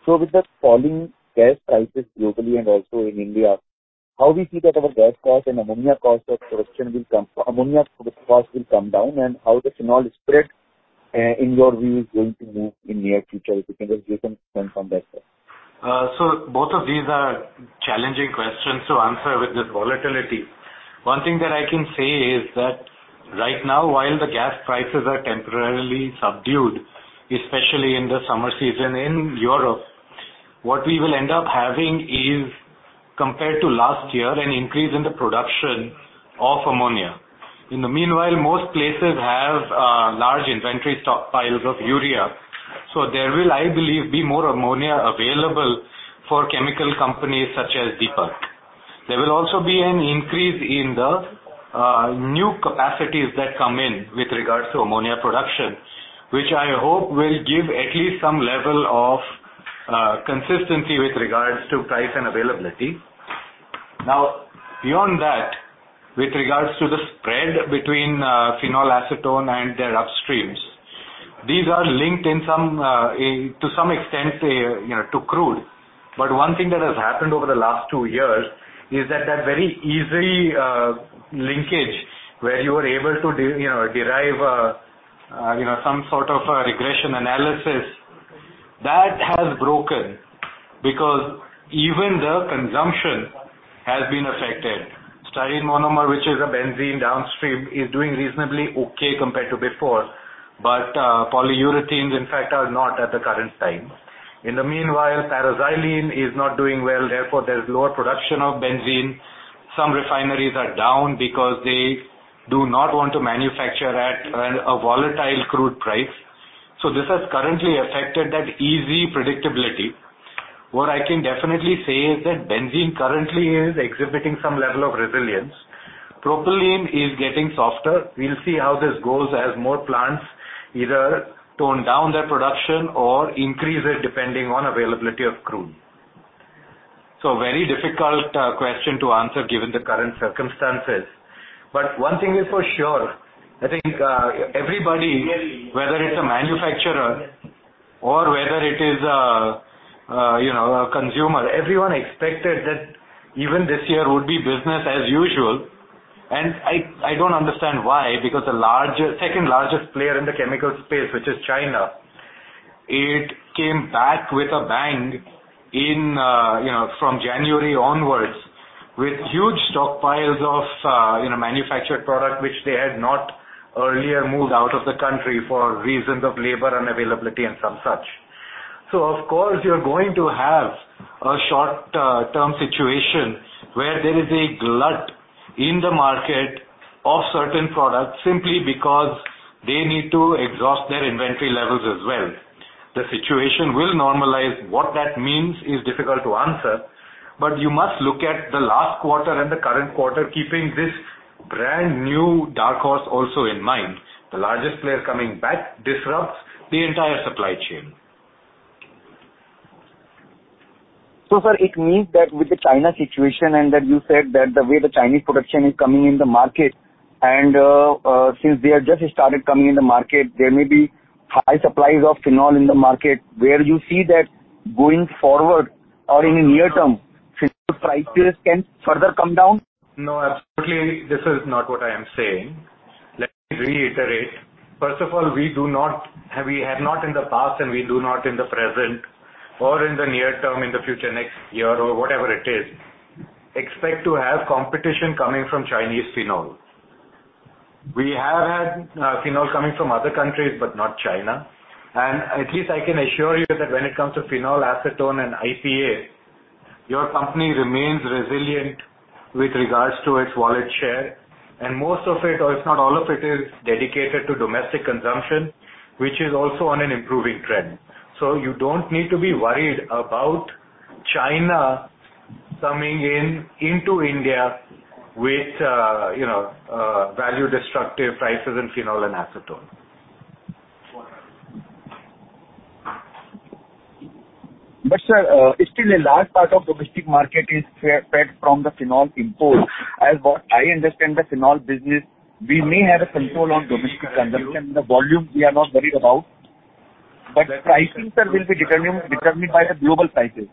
With the falling gas prices globally and also in India, how we see that our gas cost and ammonia cost of production ammonia cost will come down and how the Phenol spread, in your view is going to move in near future? If you can just give some sense on that, sir. Both of these are challenging questions to answer with this volatility. One thing that I can say is that right now, while the gas prices are temporarily subdued, especially in the summer season in Europe, what we will end up having is, compared to last year, an increase in the production of ammonia. In the meanwhile, most places have large inventory stockpiles of urea, there will, I believe, be more ammonia available for chemical companies such as Deepak. There will also be an increase in the new capacities that come in with regards to ammonia production, which I hope will give at least some level of consistency with regards to price and availability. Beyond that, with regards to the spread between phenol acetone and their upstreams, these are linked in some to some extent, you know, to crude. One thing that has happened over the last 2 years is that very easy linkage where you were able to you know, derive, you know, some sort of a regression analysis, that has broken because even the consumption has been affected. Styrene Monomer, which is a Benzene downstream, is doing reasonably okay compared to before. polyurethanes, in fact, are not at the current time. In the meanwhile, Paraxylene is not doing well, therefore, there's lower production of Benzene. Some refineries are down because they do not want to manufacture at a volatile crude price. This has currently affected that easy predictability. What I can definitely say is that Benzene currently is exhibiting some level of resilience. Propylene is getting softer. We'll see how this goes as more plants either tone down their production or increase it depending on availability of crude. Very difficult question to answer given the current circumstances. One thing is for sure, I think everybody, whether it's a manufacturer or whether it is a, you know, a consumer, everyone expected that even this year would be business as usual. I don't understand why, because the second-largest player in the chemical space, which is China, it came back with a bang in, you know, from January onwards, with huge stockpiles of, you know, manufactured product which they had not earlier moved out of the country for reasons of labor unavailability and some such. Of course, you're going to have a short-term situation where there is a glut in the market of certain products simply because they need to exhaust their inventory levels as well. The situation will normalize. What that means is difficult to answer, but you must look at the last quarter and the current quarter keeping this brand new dark horse also in mind. The largest player coming back disrupts the entire supply chain. Sir, it means that with the China situation and that you said that the way the Chinese production is coming in the market and since they have just started coming in the market, there may be high supplies of phenol in the market. Where you see that going forward or in near term, phenol prices can further come down? No, absolutely this is not what I am saying. Let me reiterate. First of all, we do not we have not in the past and we do not in the present or in the near term, in the future, next year or whatever it is, expect to have competition coming from Chinese Phenols. We have had Phenol coming from other countries, but not China. At least I can assure you that when it comes to Phenol, Acetone and IPA. Your company remains resilient with regards to its wallet share. Most of it, or if not all of it, is dedicated to domestic consumption, which is also on an improving trend. You don't need to be worried about China coming in into India with, you know, value-destructive prices in Phenol and Acetone. Sir, still a large part of domestic market is fed from the Phenol import. As what I understand the Phenol business, we may have a control on domestic consumption. The volume we are not worried about. Pricing, sir, will be determined by the global prices.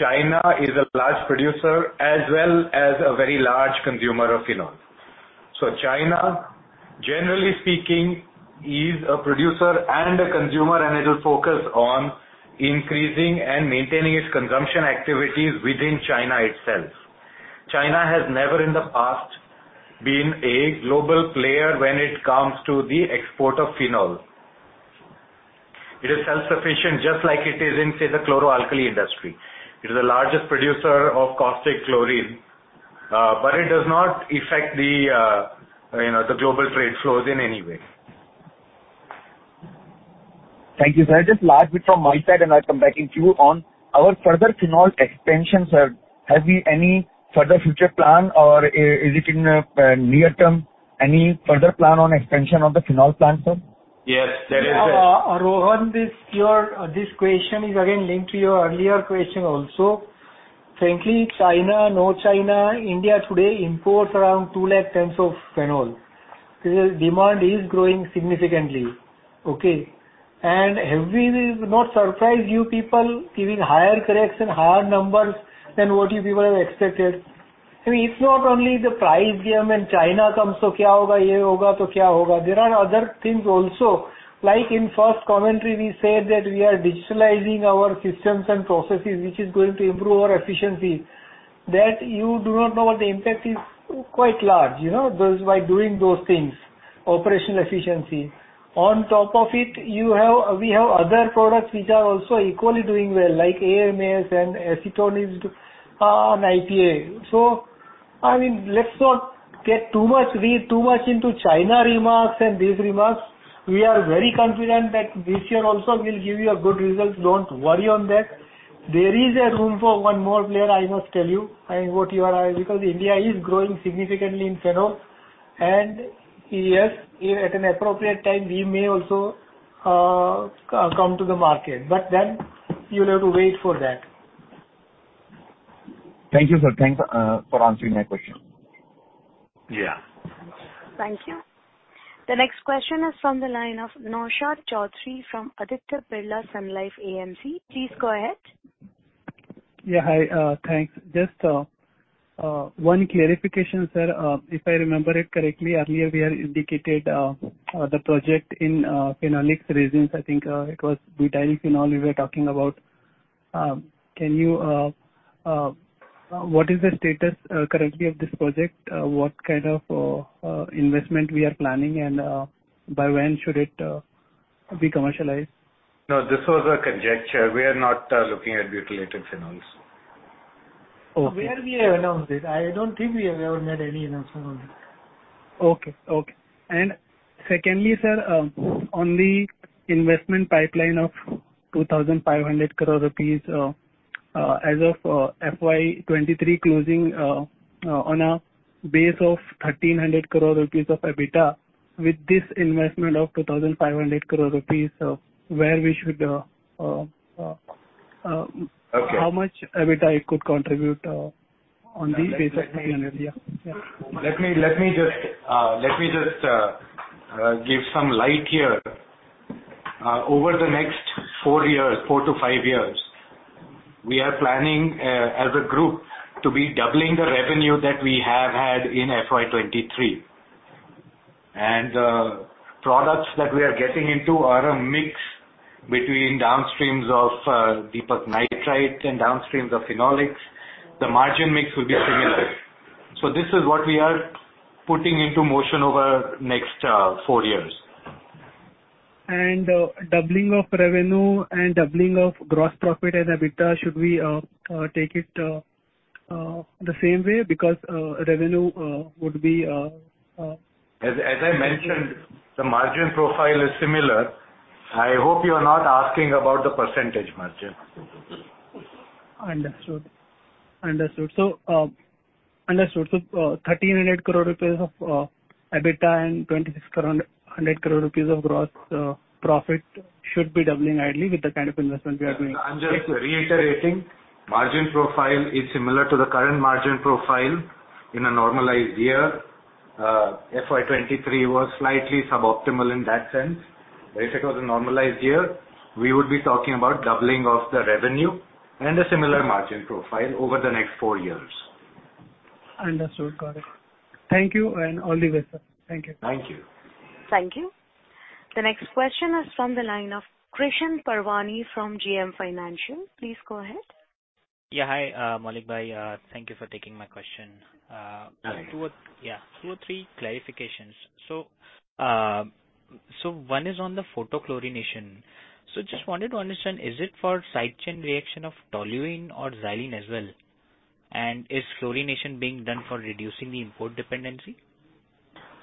China is a large producer as well as a very large consumer of Phenol. China, generally speaking, is a producer and a consumer, and it will focus on increasing and maintaining its consumption activities within China itself. China has never in the past been a global player when it comes to the export of Phenol. It is self-sufficient, just like it is in, say, the chlor-alkali industry. It is the largest producer of caustic chlorine, but it does not affect the, you know, the global trade flows in any way. Thank you, sir. Just last bit from my side, and I'll come back into you. On our further Phenol extension, sir, have we any further future plan or is it in near term, any further plan on extension of the Phenol plant, sir? Yes. There is. Rohan, this question is again linked to your earlier question also. Frankly, China, no China, India today imports around 2 lakh tons of Phenol. The demand is growing significantly. Okay? Did it not surprise you people giving higher correction, higher numbers than what you people have expected? I mean, it's not only the price game and China comes. There are other things also. Like in first commentary we said that we are digitalizing our systems and processes, which is going to improve our efficiency. That you do not know what the impact is. Quite large, you know, those by doing those things, operational efficiency. We have other products which are also equally doing well, like AMS and Acetone, and IPA. I mean, let's not get too much, read too much into China remarks and these remarks. We are very confident that this year also we'll give you a good result. Don't worry on that. There is a room for one more player, I must tell you. India is growing significantly in phenol and yes, at an appropriate time, we may also come to the market. You'll have to wait for that. Thank you, sir. Thanks for answering my question. Yeah. Thank you. The next question is from the line of Naushad Chaudhary from Aditya Birla Sun Life AMC. Please go ahead. Yeah. Hi. Thanks. Just one clarification, sir. If I remember it correctly, earlier we had indicated the project in Phenolics regions. I think it was butyl phenol we were talking about. Can you what is the status currently of this project? What kind of investment we are planning and by when should it be commercialized? No, this was a conjecture. We are not looking at butylated phenols. Okay. Where we announce it. I don't think we have ever made any announcement on this. Okay. Okay. Secondly, sir, on the investment pipeline of 2,500 crore rupees, as of FY23 closing, on a base of 1,300 crore rupees of EBITDA with this investment of 2,500 crore rupees, where we should. Okay. How much EBITDA it could contribute, on the base of INR 10 million. Yeah. Yeah. Let me just give some light here. Over the next four years, four to five years, we are planning, as a group to be doubling the revenue that we have had in FY 2023. Products that we are getting into are a mix between downstreams of Deepak Nitrite and downstreams of phenolics. The margin mix will be similar. This is what we are putting into motion over next, four years. Doubling of revenue and doubling of gross profit and EBITDA, should we take it the same way? Because revenue would be... As I mentioned, the margin profile is similar. I hope you're not asking about the percentage margin. Understood. Understood. Understood. 1,300 crore rupees of EBITDA and 2,600 crore rupees of gross profit should be doubling ideally with the kind of investment we are doing. I'm just reiterating. Margin profile is similar to the current margin profile in a normalized year. FY 2023 was slightly suboptimal in that sense. If it was a normalized year, we would be talking about doubling of the revenue and a similar margin profile over the next 4 years. Understood. Got it. Thank you and all the way, sir. Thank you. Thank you. Thank you. The next question is from the line of Krishan Parwani from JM Financial. Please go ahead. Yeah. Hi, Maulik bhai, thank you for taking my question. Okay. Yeah, two or three clarifications. One is on the photo-chlorination. Just wanted to understand, is it for side chain reaction of toluene or xylene as well? Is chlorination being done for reducing the import dependency?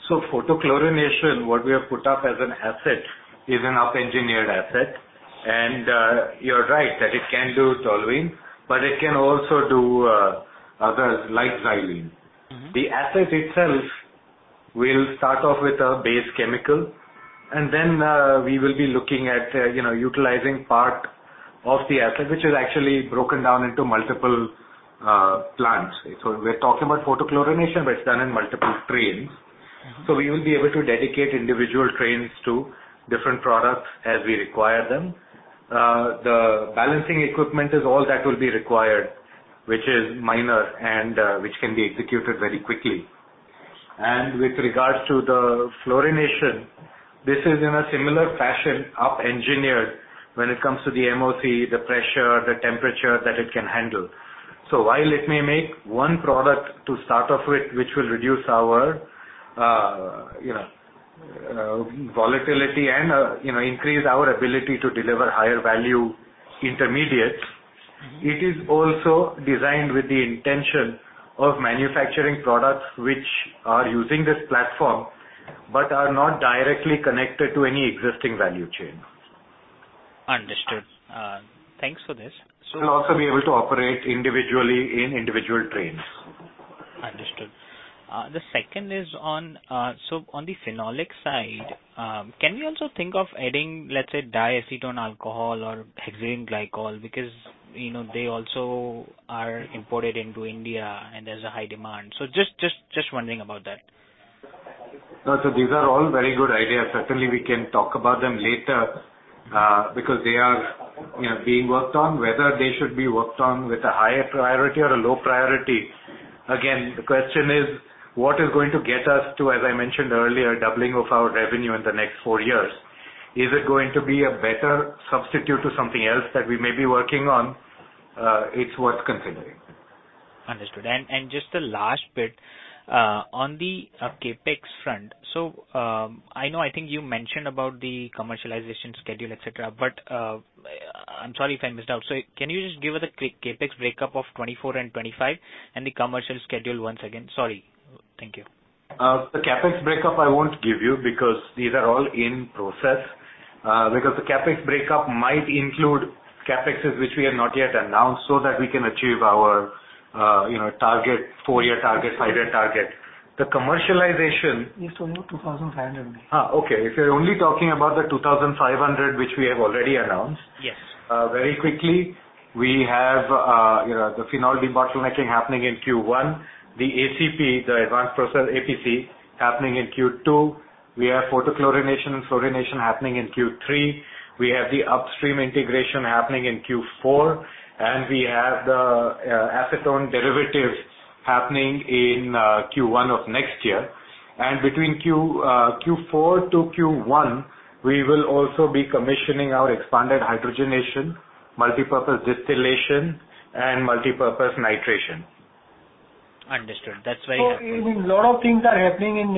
Photo-chlorination, what we have put up as an asset is an up-engineered asset. You're right that it can do toluene, but it can also do others like xylene. The asset itself will start off with a base chemical, and then, we will be looking at, you know, utilizing part of the asset, which is actually broken down into multiple, plants. We're talking about photo-chlorination, but it's done in multiple trains. We will be able to dedicate individual trains to different products as we require them. The balancing equipment is all that will be required, which is minor and which can be executed very quickly. With regards to the fluorination, this is in a similar fashion up-engineered when it comes to the MOC, the pressure, the temperature that it can handle. While it may make one product to start off with, which will reduce our, you know, volatility and, you know, increase our ability to deliver higher value intermediates- It is also designed with the intention of manufacturing products which are using this platform but are not directly connected to any existing value chain. Understood. Thanks for this. It will also be able to operate individually in individual trains. Understood. The second is on... on the Phenolic side, can we also think of adding, let's say, diacetone alcohol or hexylene glycol? Because, you know, they also are imported into India and there's a high demand. Just wondering about that. No, these are all very good ideas. Certainly, we can talk about them later, because they are, you know, being worked on. Whether they should be worked on with a higher priority or a low priority, again, the question is: what is going to get us to, as I mentioned earlier, doubling of our revenue in the next four years? Is it going to be a better substitute to something else that we may be working on? It's worth considering. Understood. Just the last bit on the CapEx front. I know I think you mentioned about the commercialization schedule, et cetera, but I'm sorry if I missed out. Can you just give us a quick CapEx breakup of 2024 and 2025 and the commercial schedule once again? Sorry. Thank you. The CapEx breakup I won't give you because these are all in process. Because the CapEx breakup might include CapExes which we have not yet announced so that we can achieve our, you know, target, 4-year target, 5-year target. He's talking about 2,500 only. Okay. If you're only talking about the 2,500 which we have already announced. Yes. very quickly, we have, you know, the Phenol debottlenecking happening in Q1, the APC, the advanced process, APC, happening in Q2. We have photochlorination and fluorination happening in Q3. We have the upstream integration happening in Q4. We have the Acetone derivatives happening in Q1 of next year. Between Q4 to Q1, we will also be commissioning our expanded hydrogenation, multipurpose distillation and multipurpose nitration. Understood. That's very helpful. I mean, lot of things are happening in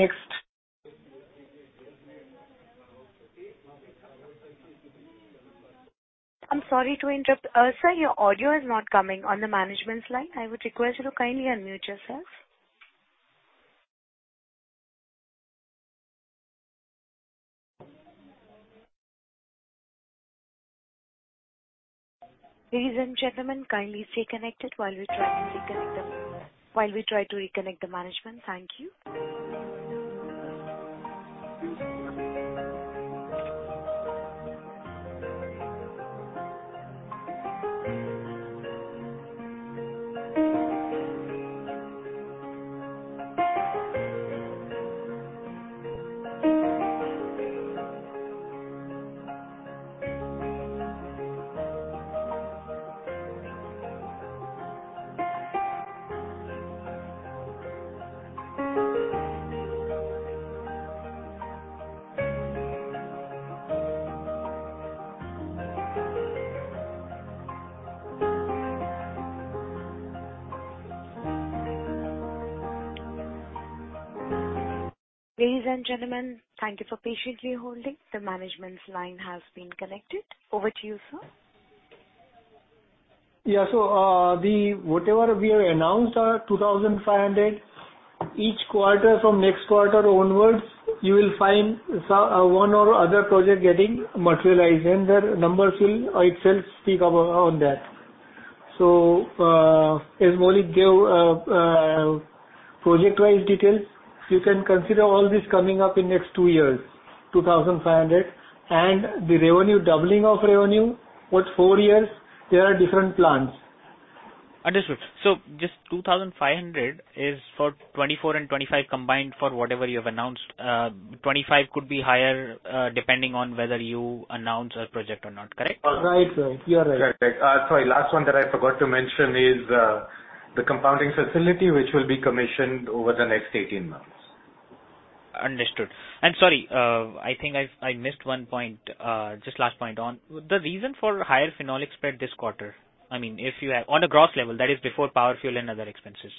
I'm sorry to interrupt. Sir, your audio is not coming on the management's line. I would request you to kindly unmute yourself. Ladies and gentlemen, kindly stay connected while we try to reconnect the management. Thank you. Ladies and gentlemen, thank you for patiently holding. The management's line has been connected. Over to you, sir. Yeah. Whatever we have announced, 2,500, each quarter from next quarter onwards, you will find one or other project getting materialized, and the numbers will itself speak about on that. As Maulik gave project-wise details, you can consider all this coming up in next 2 years, 2,500. The revenue, doubling of revenue, with 4 years, there are different plans. Understood. just 2,500 is for 2024 and 2025 combined for whatever you have announced. 2025 could be higher, depending on whether you announce a project or not, correct? Right. Right. You are right. Correct. Sorry, last one that I forgot to mention is, the compounding facility, which will be commissioned over the next 18 months. Understood. Sorry, I think I missed one point, just last point on the reason for higher phenolic spread this quarter, I mean, on a gross level, that is before power, fuel and other expenses.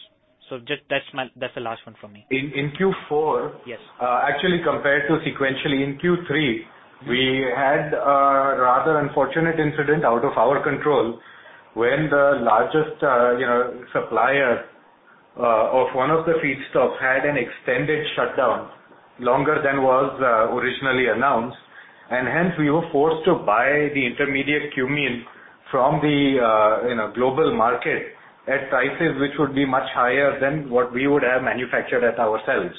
Just that's the last one from me. In Q4. Yes. Actually compared to sequentially in Q3, we had a rather unfortunate incident out of our control when the largest, you know, supplier of one of the feedstocks had an extended shutdown longer than was originally announced. Hence we were forced to buy the intermediate Cumene from the, you know, global market at prices which would be much higher than what we would have manufactured at ourselves.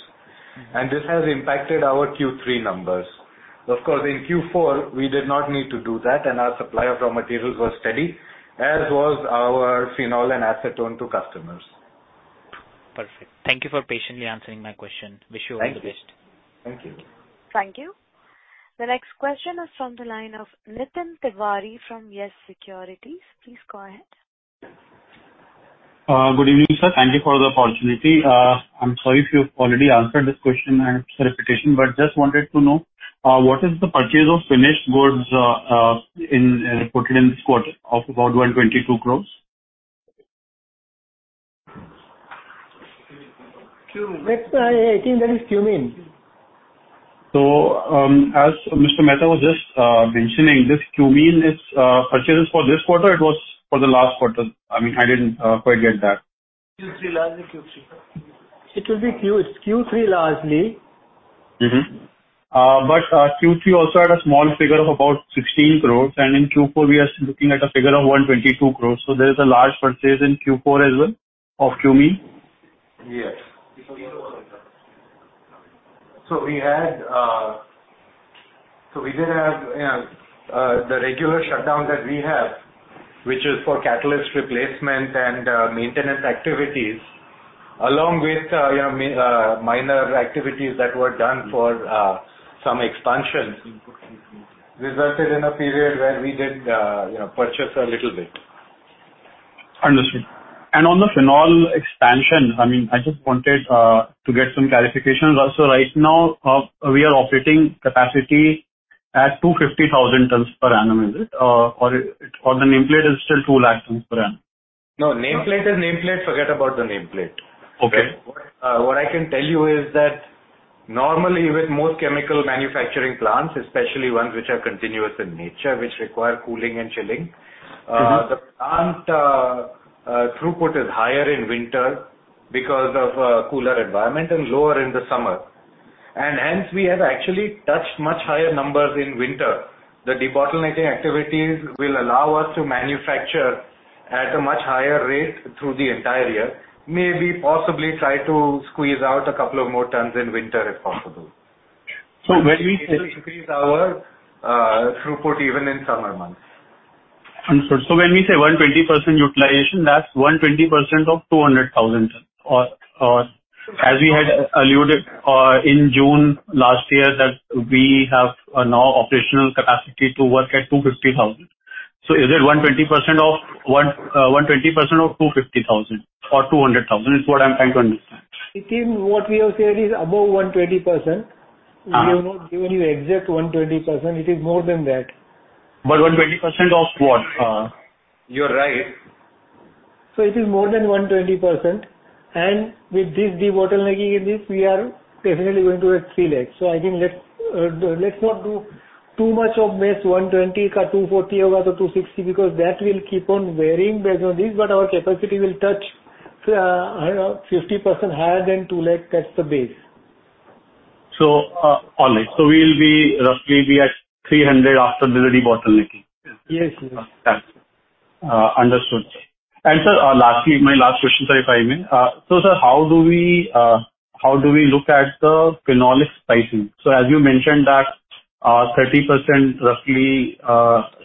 This has impacted our Q3 numbers. Of course, in Q4 we did not need to do that, and our supply of raw materials was steady, as was our Phenol and Acetone to customers. Perfect. Thank you for patiently answering my question. Wish you all the best. Thank you. Thank you. The next question is from the line of Nitin Tiwari from Yes Securities. Please go ahead. Good evening, sir. Thank you for the opportunity. I'm sorry if you've already answered this question and it's a repetition, but just wanted to know, what is the purchase of finished goods, reported in this quarter of about 122 crores? Cumene. Next, I think that is Cumene. As Mr. Mehta was just mentioning, this cumene is purchased for this quarter, it was for the last quarter. I mean, I didn't quite get that. Q3, largely Q3. It will be Q3 largely. Q three also had a small figure of about 16 crores. In Q4 we are looking at a figure of 122 crores. There is a large purchase in Q4 as well of cumene. Yes. We did have the regular shutdown that we have, which is for catalyst replacement and maintenance activities along with, you know, minor activities that were done for some expansion, resulted in a period where we did, you know, purchase a little bit. Understood. On the Phenol expansion, I mean, I just wanted to get some clarification. Right now, we are operating capacity at 250,000 tons per annum. Is it? Or the nameplate is still 2 lakh tons per annum. No. Nameplate is nameplate. Forget about the nameplate. Okay. What I can tell you is that normally with most chemical manufacturing plants, especially ones which are continuous in nature, which require cooling and chilling- The plant throughput is higher in winter because of cooler environment and lower in the summer. Hence we have actually touched much higher numbers in winter. The debottlenecking activities will allow us to manufacture at a much higher rate through the entire year. Maybe possibly try to squeeze out a couple of more tons in winter if possible. So when we say- It will increase our throughput even in summer months. Understood. When we say 120% utilization, that's 120% of 200,000. Or as we had alluded in June last year, that we have now operational capacity to work at 250,000. Is it 120% of 250,000 or 200,000? Is what I'm trying to understand. It is what we have said is above 120%. Uh. We have not given you exact 120%. It is more than that. 120% of what? You are right. It is more than 120%. With this debottlenecking in this we are definitely going to hit 3 lakh. I think let's not do too much of mess 120, 240 or the 260, because that will keep on varying based on this. Our capacity will touch, you know, 50% higher than 2 lakh. That's the base. All right. We'll be roughly at 300 after the debottlenecking. Yes. Yes. Understood. Sir, lastly, my last question, sir, if I may. Sir, how do we look at the phenolic pricing? As you mentioned that, 30% roughly,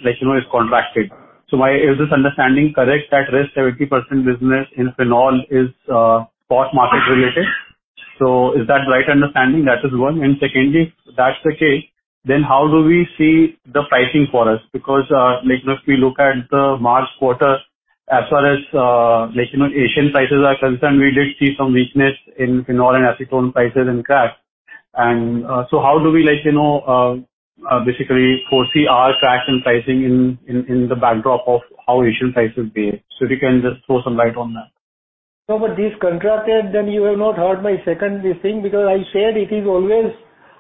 like, you know, is contracted. Is this understanding correct that rest 70% business in Phenol is spot market related. Is that right understanding? That is one. Secondly, if that's the case, how do we see the pricing for us? Because, like if we look at the March quarter as far as, like, you know, Asian prices are concerned, we did see some weakness in Phenol and Acetone prices in crack. How do we like, you know, basically foresee our traction pricing in, in the backdrop of how Asian prices behave? If you can just throw some light on that. No, this contracted then you have not heard my second this thing because I said it is always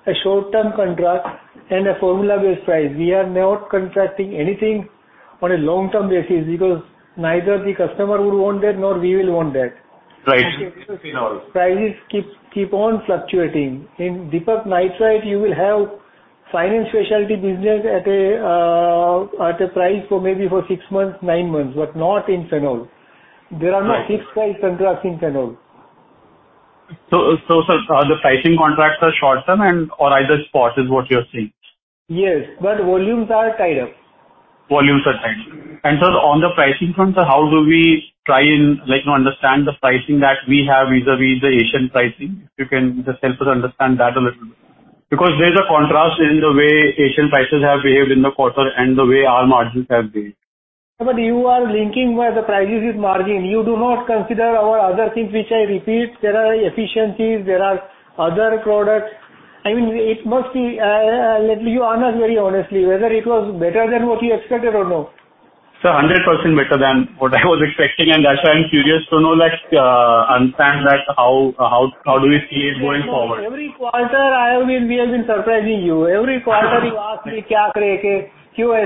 a short-term contract and a formula-based price. We are not contracting anything on a long-term basis because neither the customer would want that nor we will want that. Right. Phenol. Prices keep on fluctuating. In Deepak Nitrite you will have fine and specialty business at a price for maybe for 6 months, 9 months, but not in Phenol. Right. There are no fixed price contracts in Phenol. Sir, the pricing contracts are short-term and or either spot is what you're saying? Yes, volumes are tied up. Volumes are tied. Sir, on the pricing front, sir, how do we try and like, you know, understand the pricing that we have vis-à-vis the Asian pricing? If you can just help us understand that a little bit, because there's a contrast in the way Asian prices have behaved in the quarter and the way our margins have behaved. You are linking where the prices is margin. You do not consider our other things, which I repeat, there are efficiencies, there are other products. I mean, it must be, like you honest very honestly, whether it was better than what you expected or not? Sir, 100% better than what I was expecting. That's why I'm curious to know that, understand that how do we see it going forward? Every quarter we have been surprising you. Every quarter you ask me. All right.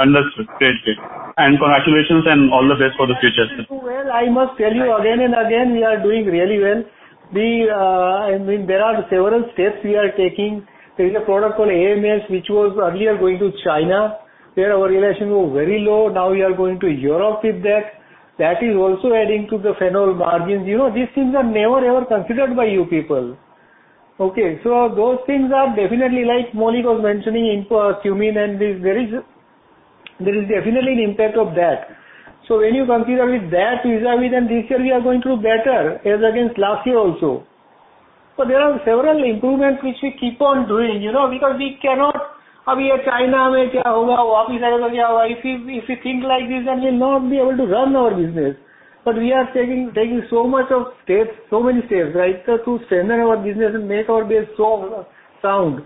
Understood. Great. Great. Congratulations and all the best for the future. I must tell you again and again, we are doing really well. The, I mean, there are several steps we are taking. There is a product called AMS, which was earlier going to China, where our relations were very low. We are going to Europe with that. That is also adding to the Phenol margins. You know, these things are never, ever considered by you people. Okay. Those things are definitely like Maulik Mehta was mentioning, import Cumene and this. There is definitely an impact of that. When you consider with that vis-à-vis, this year we are going to do better as against last year also. There are several improvements which we keep on doing, you know, If you think like this, we'll not be able to run our business. we are taking so much of steps, so many steps, right? To strengthen our business and make our base so sound,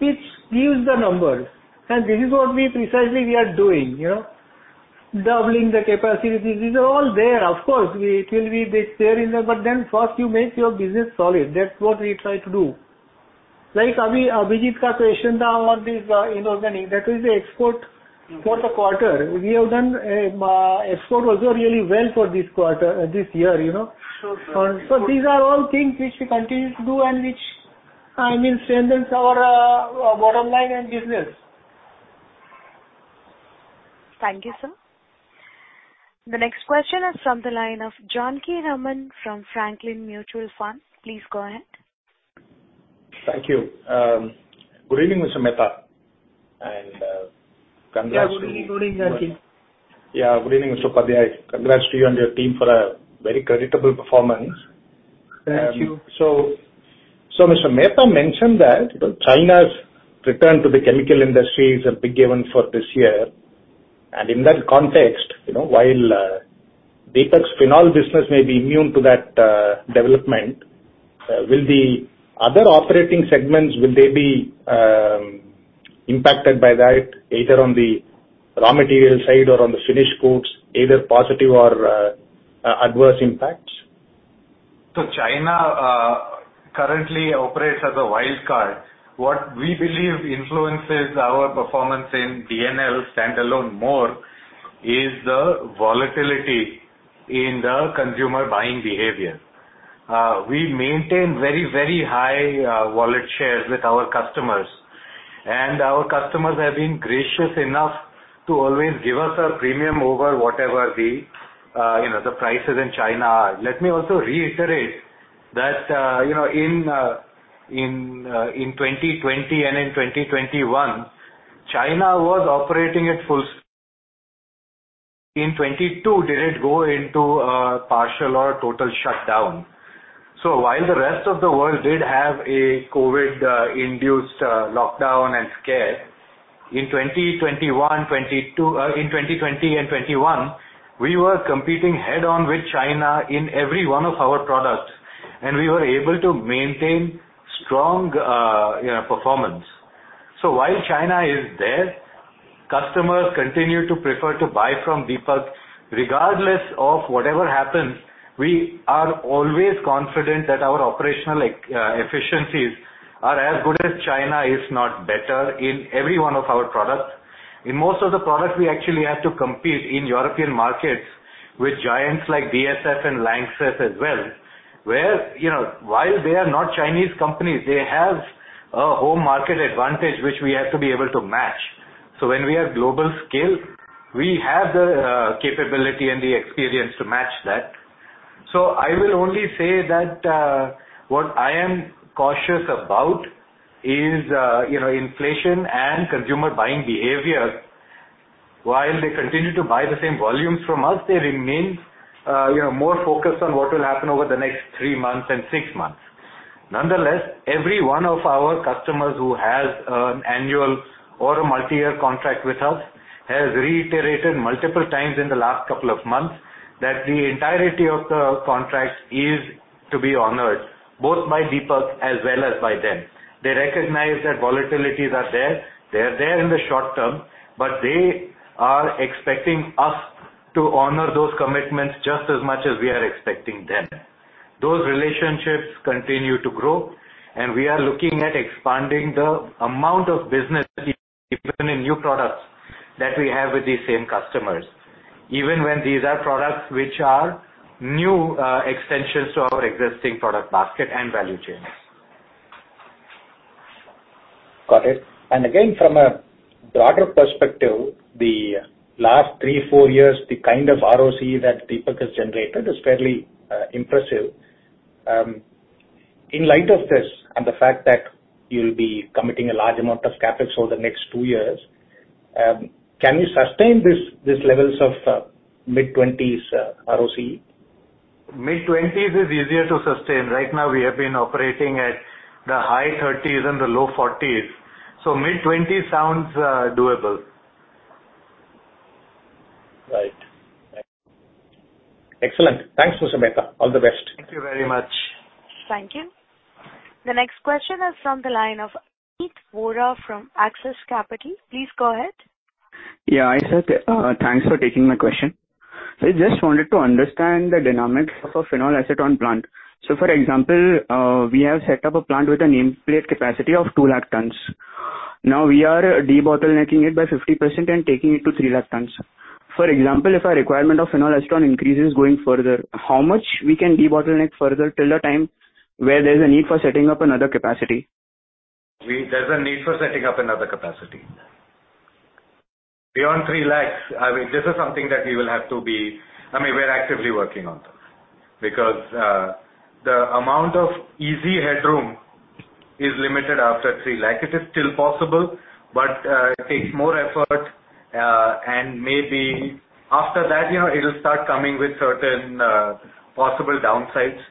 which gives the numbers. This is what we precisely we are doing, you know. Doubling the capacity. These are all there. Of course, it will be there in the... first you make your business solid. That's what we try to do. Like, that is the export for the quarter. We have done export also really well for this quarter, this year, you know. Sure, sir. These are all things which we continue to do and which, I mean, strengthens our bottom line and business. Thank you, sir. The next question is from the line of Janakiraman from Franklin Templeton Mutual Fund. Please go ahead. Thank you. Good evening, Mr. Mehta, and congrats to you. Yeah. Good evening. Good evening, John. Yeah. Good evening, Mr. Padhi. Congrats to you and your team for a very creditable performance. Thank you. Mr. Mehta mentioned that China's return to the chemical industry is a big given for this year. In that context, you know, while Deepak's Phenol business may be immune to that development, will the other operating segments, will they be impacted by that, either on the raw material side or on the finished goods, either positive or adverse impacts? China currently operates as a wild card. What we believe influences our performance in DNL standalone more is the volatility in the consumer buying behavior. We maintain very, very high wallet shares with our customers, and our customers have been gracious enough to always give us a premium over whatever the, you know, the prices in China are. Let me also reiterate that, you know, in 2020 and in 2021, China was operating at full. In 2022, did it go into partial or total shutdown. While the rest of the world did have a COVID induced lockdown and scare, in 2020 and 2021, we were competing head-on with China in every one of our products, and we were able to maintain strong, you know, performance. While China is there, customers continue to prefer to buy from Deepak. Regardless of whatever happens, we are always confident that our operational efficiencies are as good as China, if not better, in every one of our products. In most of the products, we actually have to compete in European markets with giants like BASF and Lanxess as well, where, you know, while they are not Chinese companies, they have a home market advantage which we have to be able to match. When we have global scale, we have the capability and the experience to match that. I will only say that what I am cautious about is, you know, inflation and consumer buying behavior. While they continue to buy the same volumes from us, they remain, you know, more focused on what will happen over the next three months and six months. Nonetheless, every one of our customers who has an annual or a multi-year contract with us has reiterated multiple times in the last 2 months that the entirety of the contract is to be honored, both by Deepak as well as by them. They recognize that volatilities are there. They are there in the short term, but they are expecting us to honor those commitments just as much as we are expecting them. Those relationships continue to grow, and we are looking at expanding the amount of business, even in new products that we have with these same customers, even when these are products which are new, extensions to our existing product basket and value chains. Got it. Again, from a broader perspective, the last three, four years, the kind of ROC that Deepak has generated is fairly impressive. In light of this and the fact that you'll be committing a large amount of CapEx over the next two years, can you sustain this levels of mid-twenties ROCE? Mid-20s is easier to sustain. Right now we have been operating at the high 30s and the low 40s, so mid-20s sounds doable. Right. Excellent. Thanks, Mr. Mehta. All the best. Thank you very much. Thank you. The next question is from the line of Meet Vora from Axis Capital. Please go ahead. Hi, sir. Thanks for taking my question. I just wanted to understand the dynamics of a Phenol Acetone plant. For example, we have set up a plant with a nameplate capacity of 2 lakh tons. Now we are debottlenecking it by 50% and taking it to 3 lakh tons. For example, if our requirement of Phenol Acetone increases going further, how much we can debottleneck further till the time where there's a need for setting up another capacity? There's a need for setting up another capacity. Beyond 3 lakhs, I mean, we're actively working on that because the amount of easy headroom is limited after 3 lakh. It is still possible, but it takes more effort, and maybe after that, you know, it'll start coming with certain possible downsides.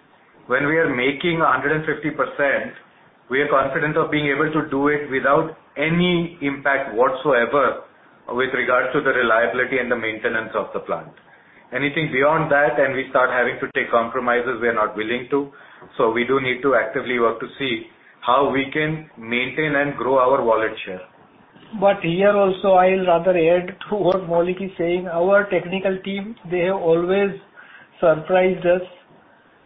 When we are making 150%, we are confident of being able to do it without any impact whatsoever with regards to the reliability and the maintenance of the plant. Anything beyond that, then we start having to take compromises we're not willing to. We do need to actively work to see how we can maintain and grow our wallet share. Here also, I'll rather add to what Maulik is saying. Our technical team, they have always surprised us.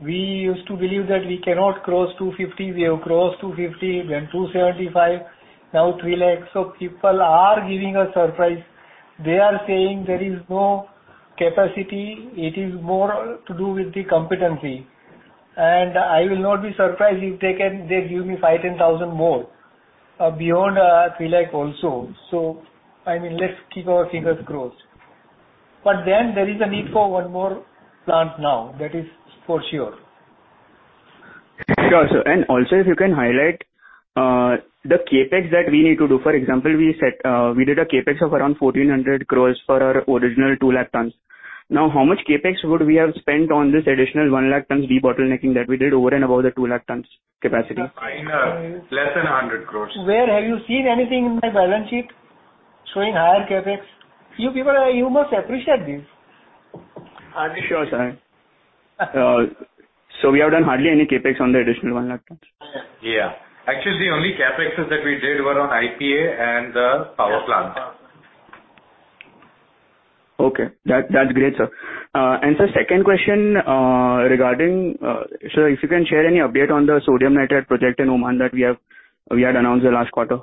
We used to believe that we cannot cross 250. We have crossed 250, we are in 275, now 3 lakhs. People are giving a surprise. They are saying there is no capacity. It is more to do with the competency. I will not be surprised if they can, they give me 5,000-10,000 more beyond 3 lakh also. I mean, let's keep our fingers crossed. There is a need for one more plant now. That is for sure. Sure, sir. Also, if you can highlight the CapEx that we need to do. For example, we set, we did a CapEx of around 1,400 crores for our original 2 lakh tons. Now, how much CapEx would we have spent on this additional 1 lakh tons debottlenecking that we did over and above the 2 lakh tons capacity? Less than 100 crores. Where have you seen anything in my balance sheet showing higher CapEx? You must appreciate this. Sure, sir. We have done hardly any CapEx on the additional 1 lakh tons. Yeah. Actually, the only CapExes that we did were on IPA and the power plant. Okay. That's great, sir. Sir, second question, regarding, sir, if you can share any update on the Sodium Nitrate project in Oman that we had announced the last quarter.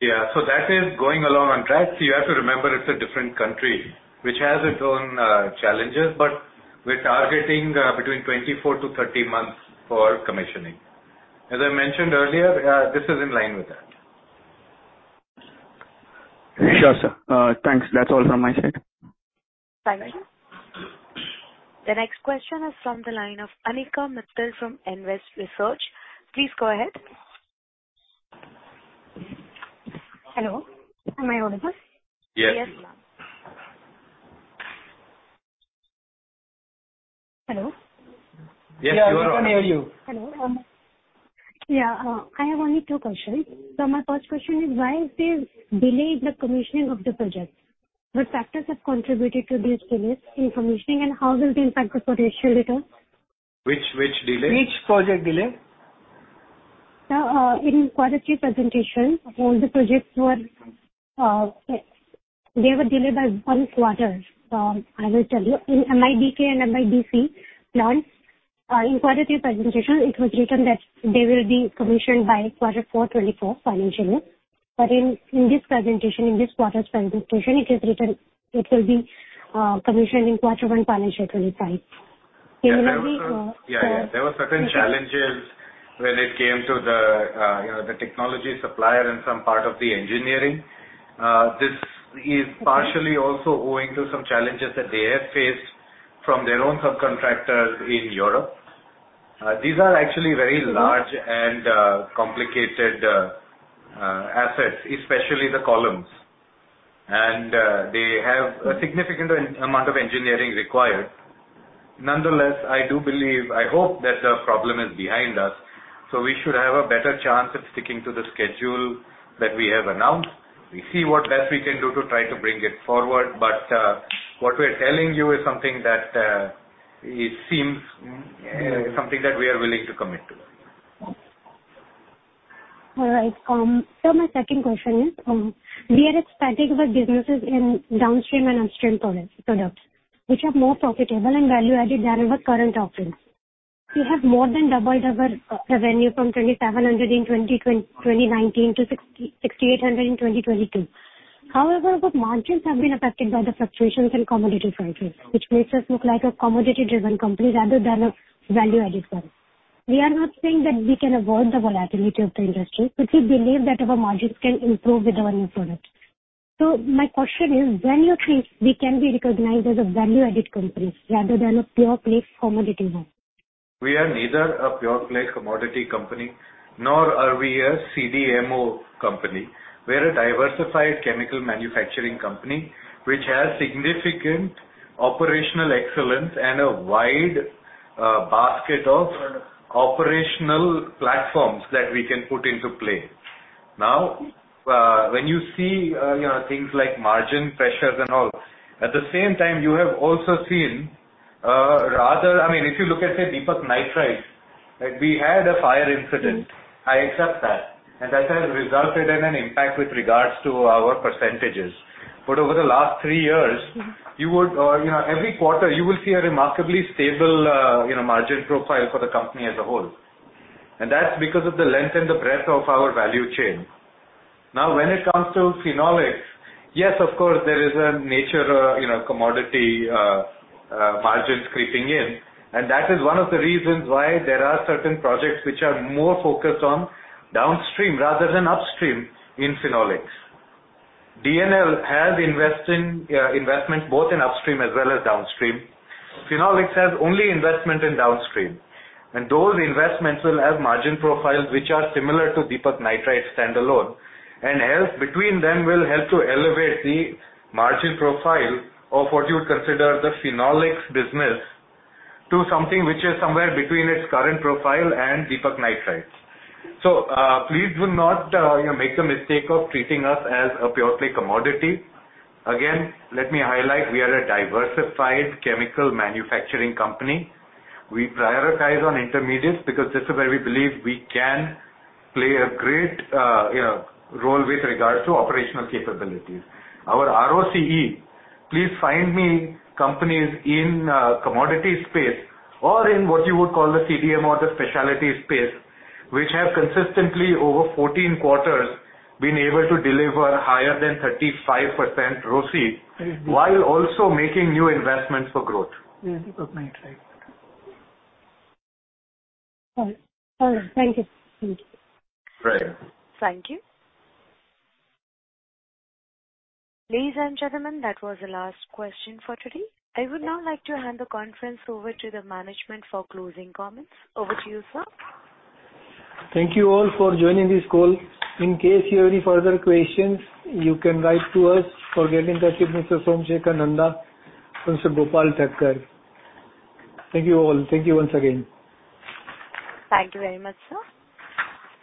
Yeah. That is going along on track. You have to remember it's a different country which has its own challenges, but we're targeting between 24-30 months for commissioning. As I mentioned earlier, this is in line with that. Sure, sir. thanks. That's all from my side. Thank you. The next question is from the line of Anik Mittal from Nvest Research. Please go ahead. Hello, am I on, sir? Yes. Yes, ma'am. Hello. Yes, you are on. Yeah, we can hear you. Hello. Yeah. I have only two questions. My first question is why is this delay in the commissioning of the project? Which factors have contributed to this delay in commissioning, and how will it impact the potential later? Which delay? Which project delay? In quarter three presentation, all the projects were, they were delayed by 1 quarter. I will tell you. In MIDK and MIDC plants, in quarter three presentation, it was written that they will be commissioned by quarter four 2024 financially. In this presentation, in this quarter's presentation, it is written it will be commissioned in quarter one financial 2025. Will there be? Yeah, yeah. There were certain challenges when it came to the, you know, the technology supplier and some part of the engineering. This is partially also owing to some challenges that they have faced from their own subcontractors in Europe. These are actually very large and complicated assets, especially the columns. They have a significant amount of engineering required. Nonetheless, I do believe, I hope that the problem is behind us. We should have a better chance of sticking to the schedule that we have announced. We see what best we can do to try to bring it forward. What we're telling you is something that it seems, you know, something that we are willing to commit to. All right. My second question is, we are expecting our businesses in downstream and upstream products which are more profitable and value-added than our current offerings. We have more than doubled our revenue from 2,700 in 2019 to 6,800 in 2022. Our margins have been affected by the fluctuations in commodity prices, which makes us look like a commodity-driven company rather than a value-added one. We are not saying that we can avoid the volatility of the industry, we believe that our margins can improve with our new products. My question is, when you think we can be recognized as a value-added company rather than a pure play commodity one? We are neither a pure play commodity company nor are we a CDMO company. We're a diversified chemical manufacturing company which has significant operational excellence and a wide basket of operational platforms that we can put into play. When you see, you know, things like margin pressures and all, at the same time, you have also seen, I mean, if you look at, say, Deepak Nitrite, like, we had a fire incident. I accept that, and that has resulted in an impact with regards to our percentages. Over the last 3 years, you would, you know, every quarter you will see a remarkably stable, you know, margin profile for the company as a whole. That's because of the length and the breadth of our value chain. Now, when it comes to Phenolics, yes, of course, there is a nature, you know, commodity, margins creeping in, and that is one of the reasons why there are certain projects which are more focused on downstream rather than upstream in Phenolics. DNL has investing, investments both in upstream as well as downstream. Phenolics has only investment in downstream, and those investments will have margin profiles which are similar to Deepak Nitrite standalone. As between them will help to elevate the margin profile of what you consider the Phenolics business to something which is somewhere between its current profile and Deepak Nitrite. Please do not, you know, make the mistake of treating us as a purely commodity. Again, let me highlight, we are a diversified chemical manufacturing company. We prioritize on intermediates because this is where we believe we can play a great, you know, role with regards to operational capabilities. Our ROCE, please find me companies in commodity space or in what you would call the CDMO or the specialty space, which have consistently over 14 quarters been able to deliver higher than 35% ROCE while also making new investments for growth. Yes, Deepak Nitrite. All right. Thank you. Thank you. Right. Thank you. Ladies and gentlemen, that was the last question for today. I would now like to hand the conference over to the management for closing comments. Over to you, sir. Thank you all for joining this call. In case you have any further questions, you can write to us or get in touch with Mr. Somsekhar Nanda or Mr. Gopal Thakkar. Thank you all. Thank you once again. Thank you very much, sir.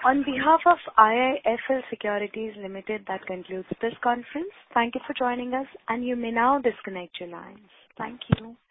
On behalf of IIFL Securities Limited, that concludes this conference. Thank you for joining us, and you may now disconnect your lines. Thank you.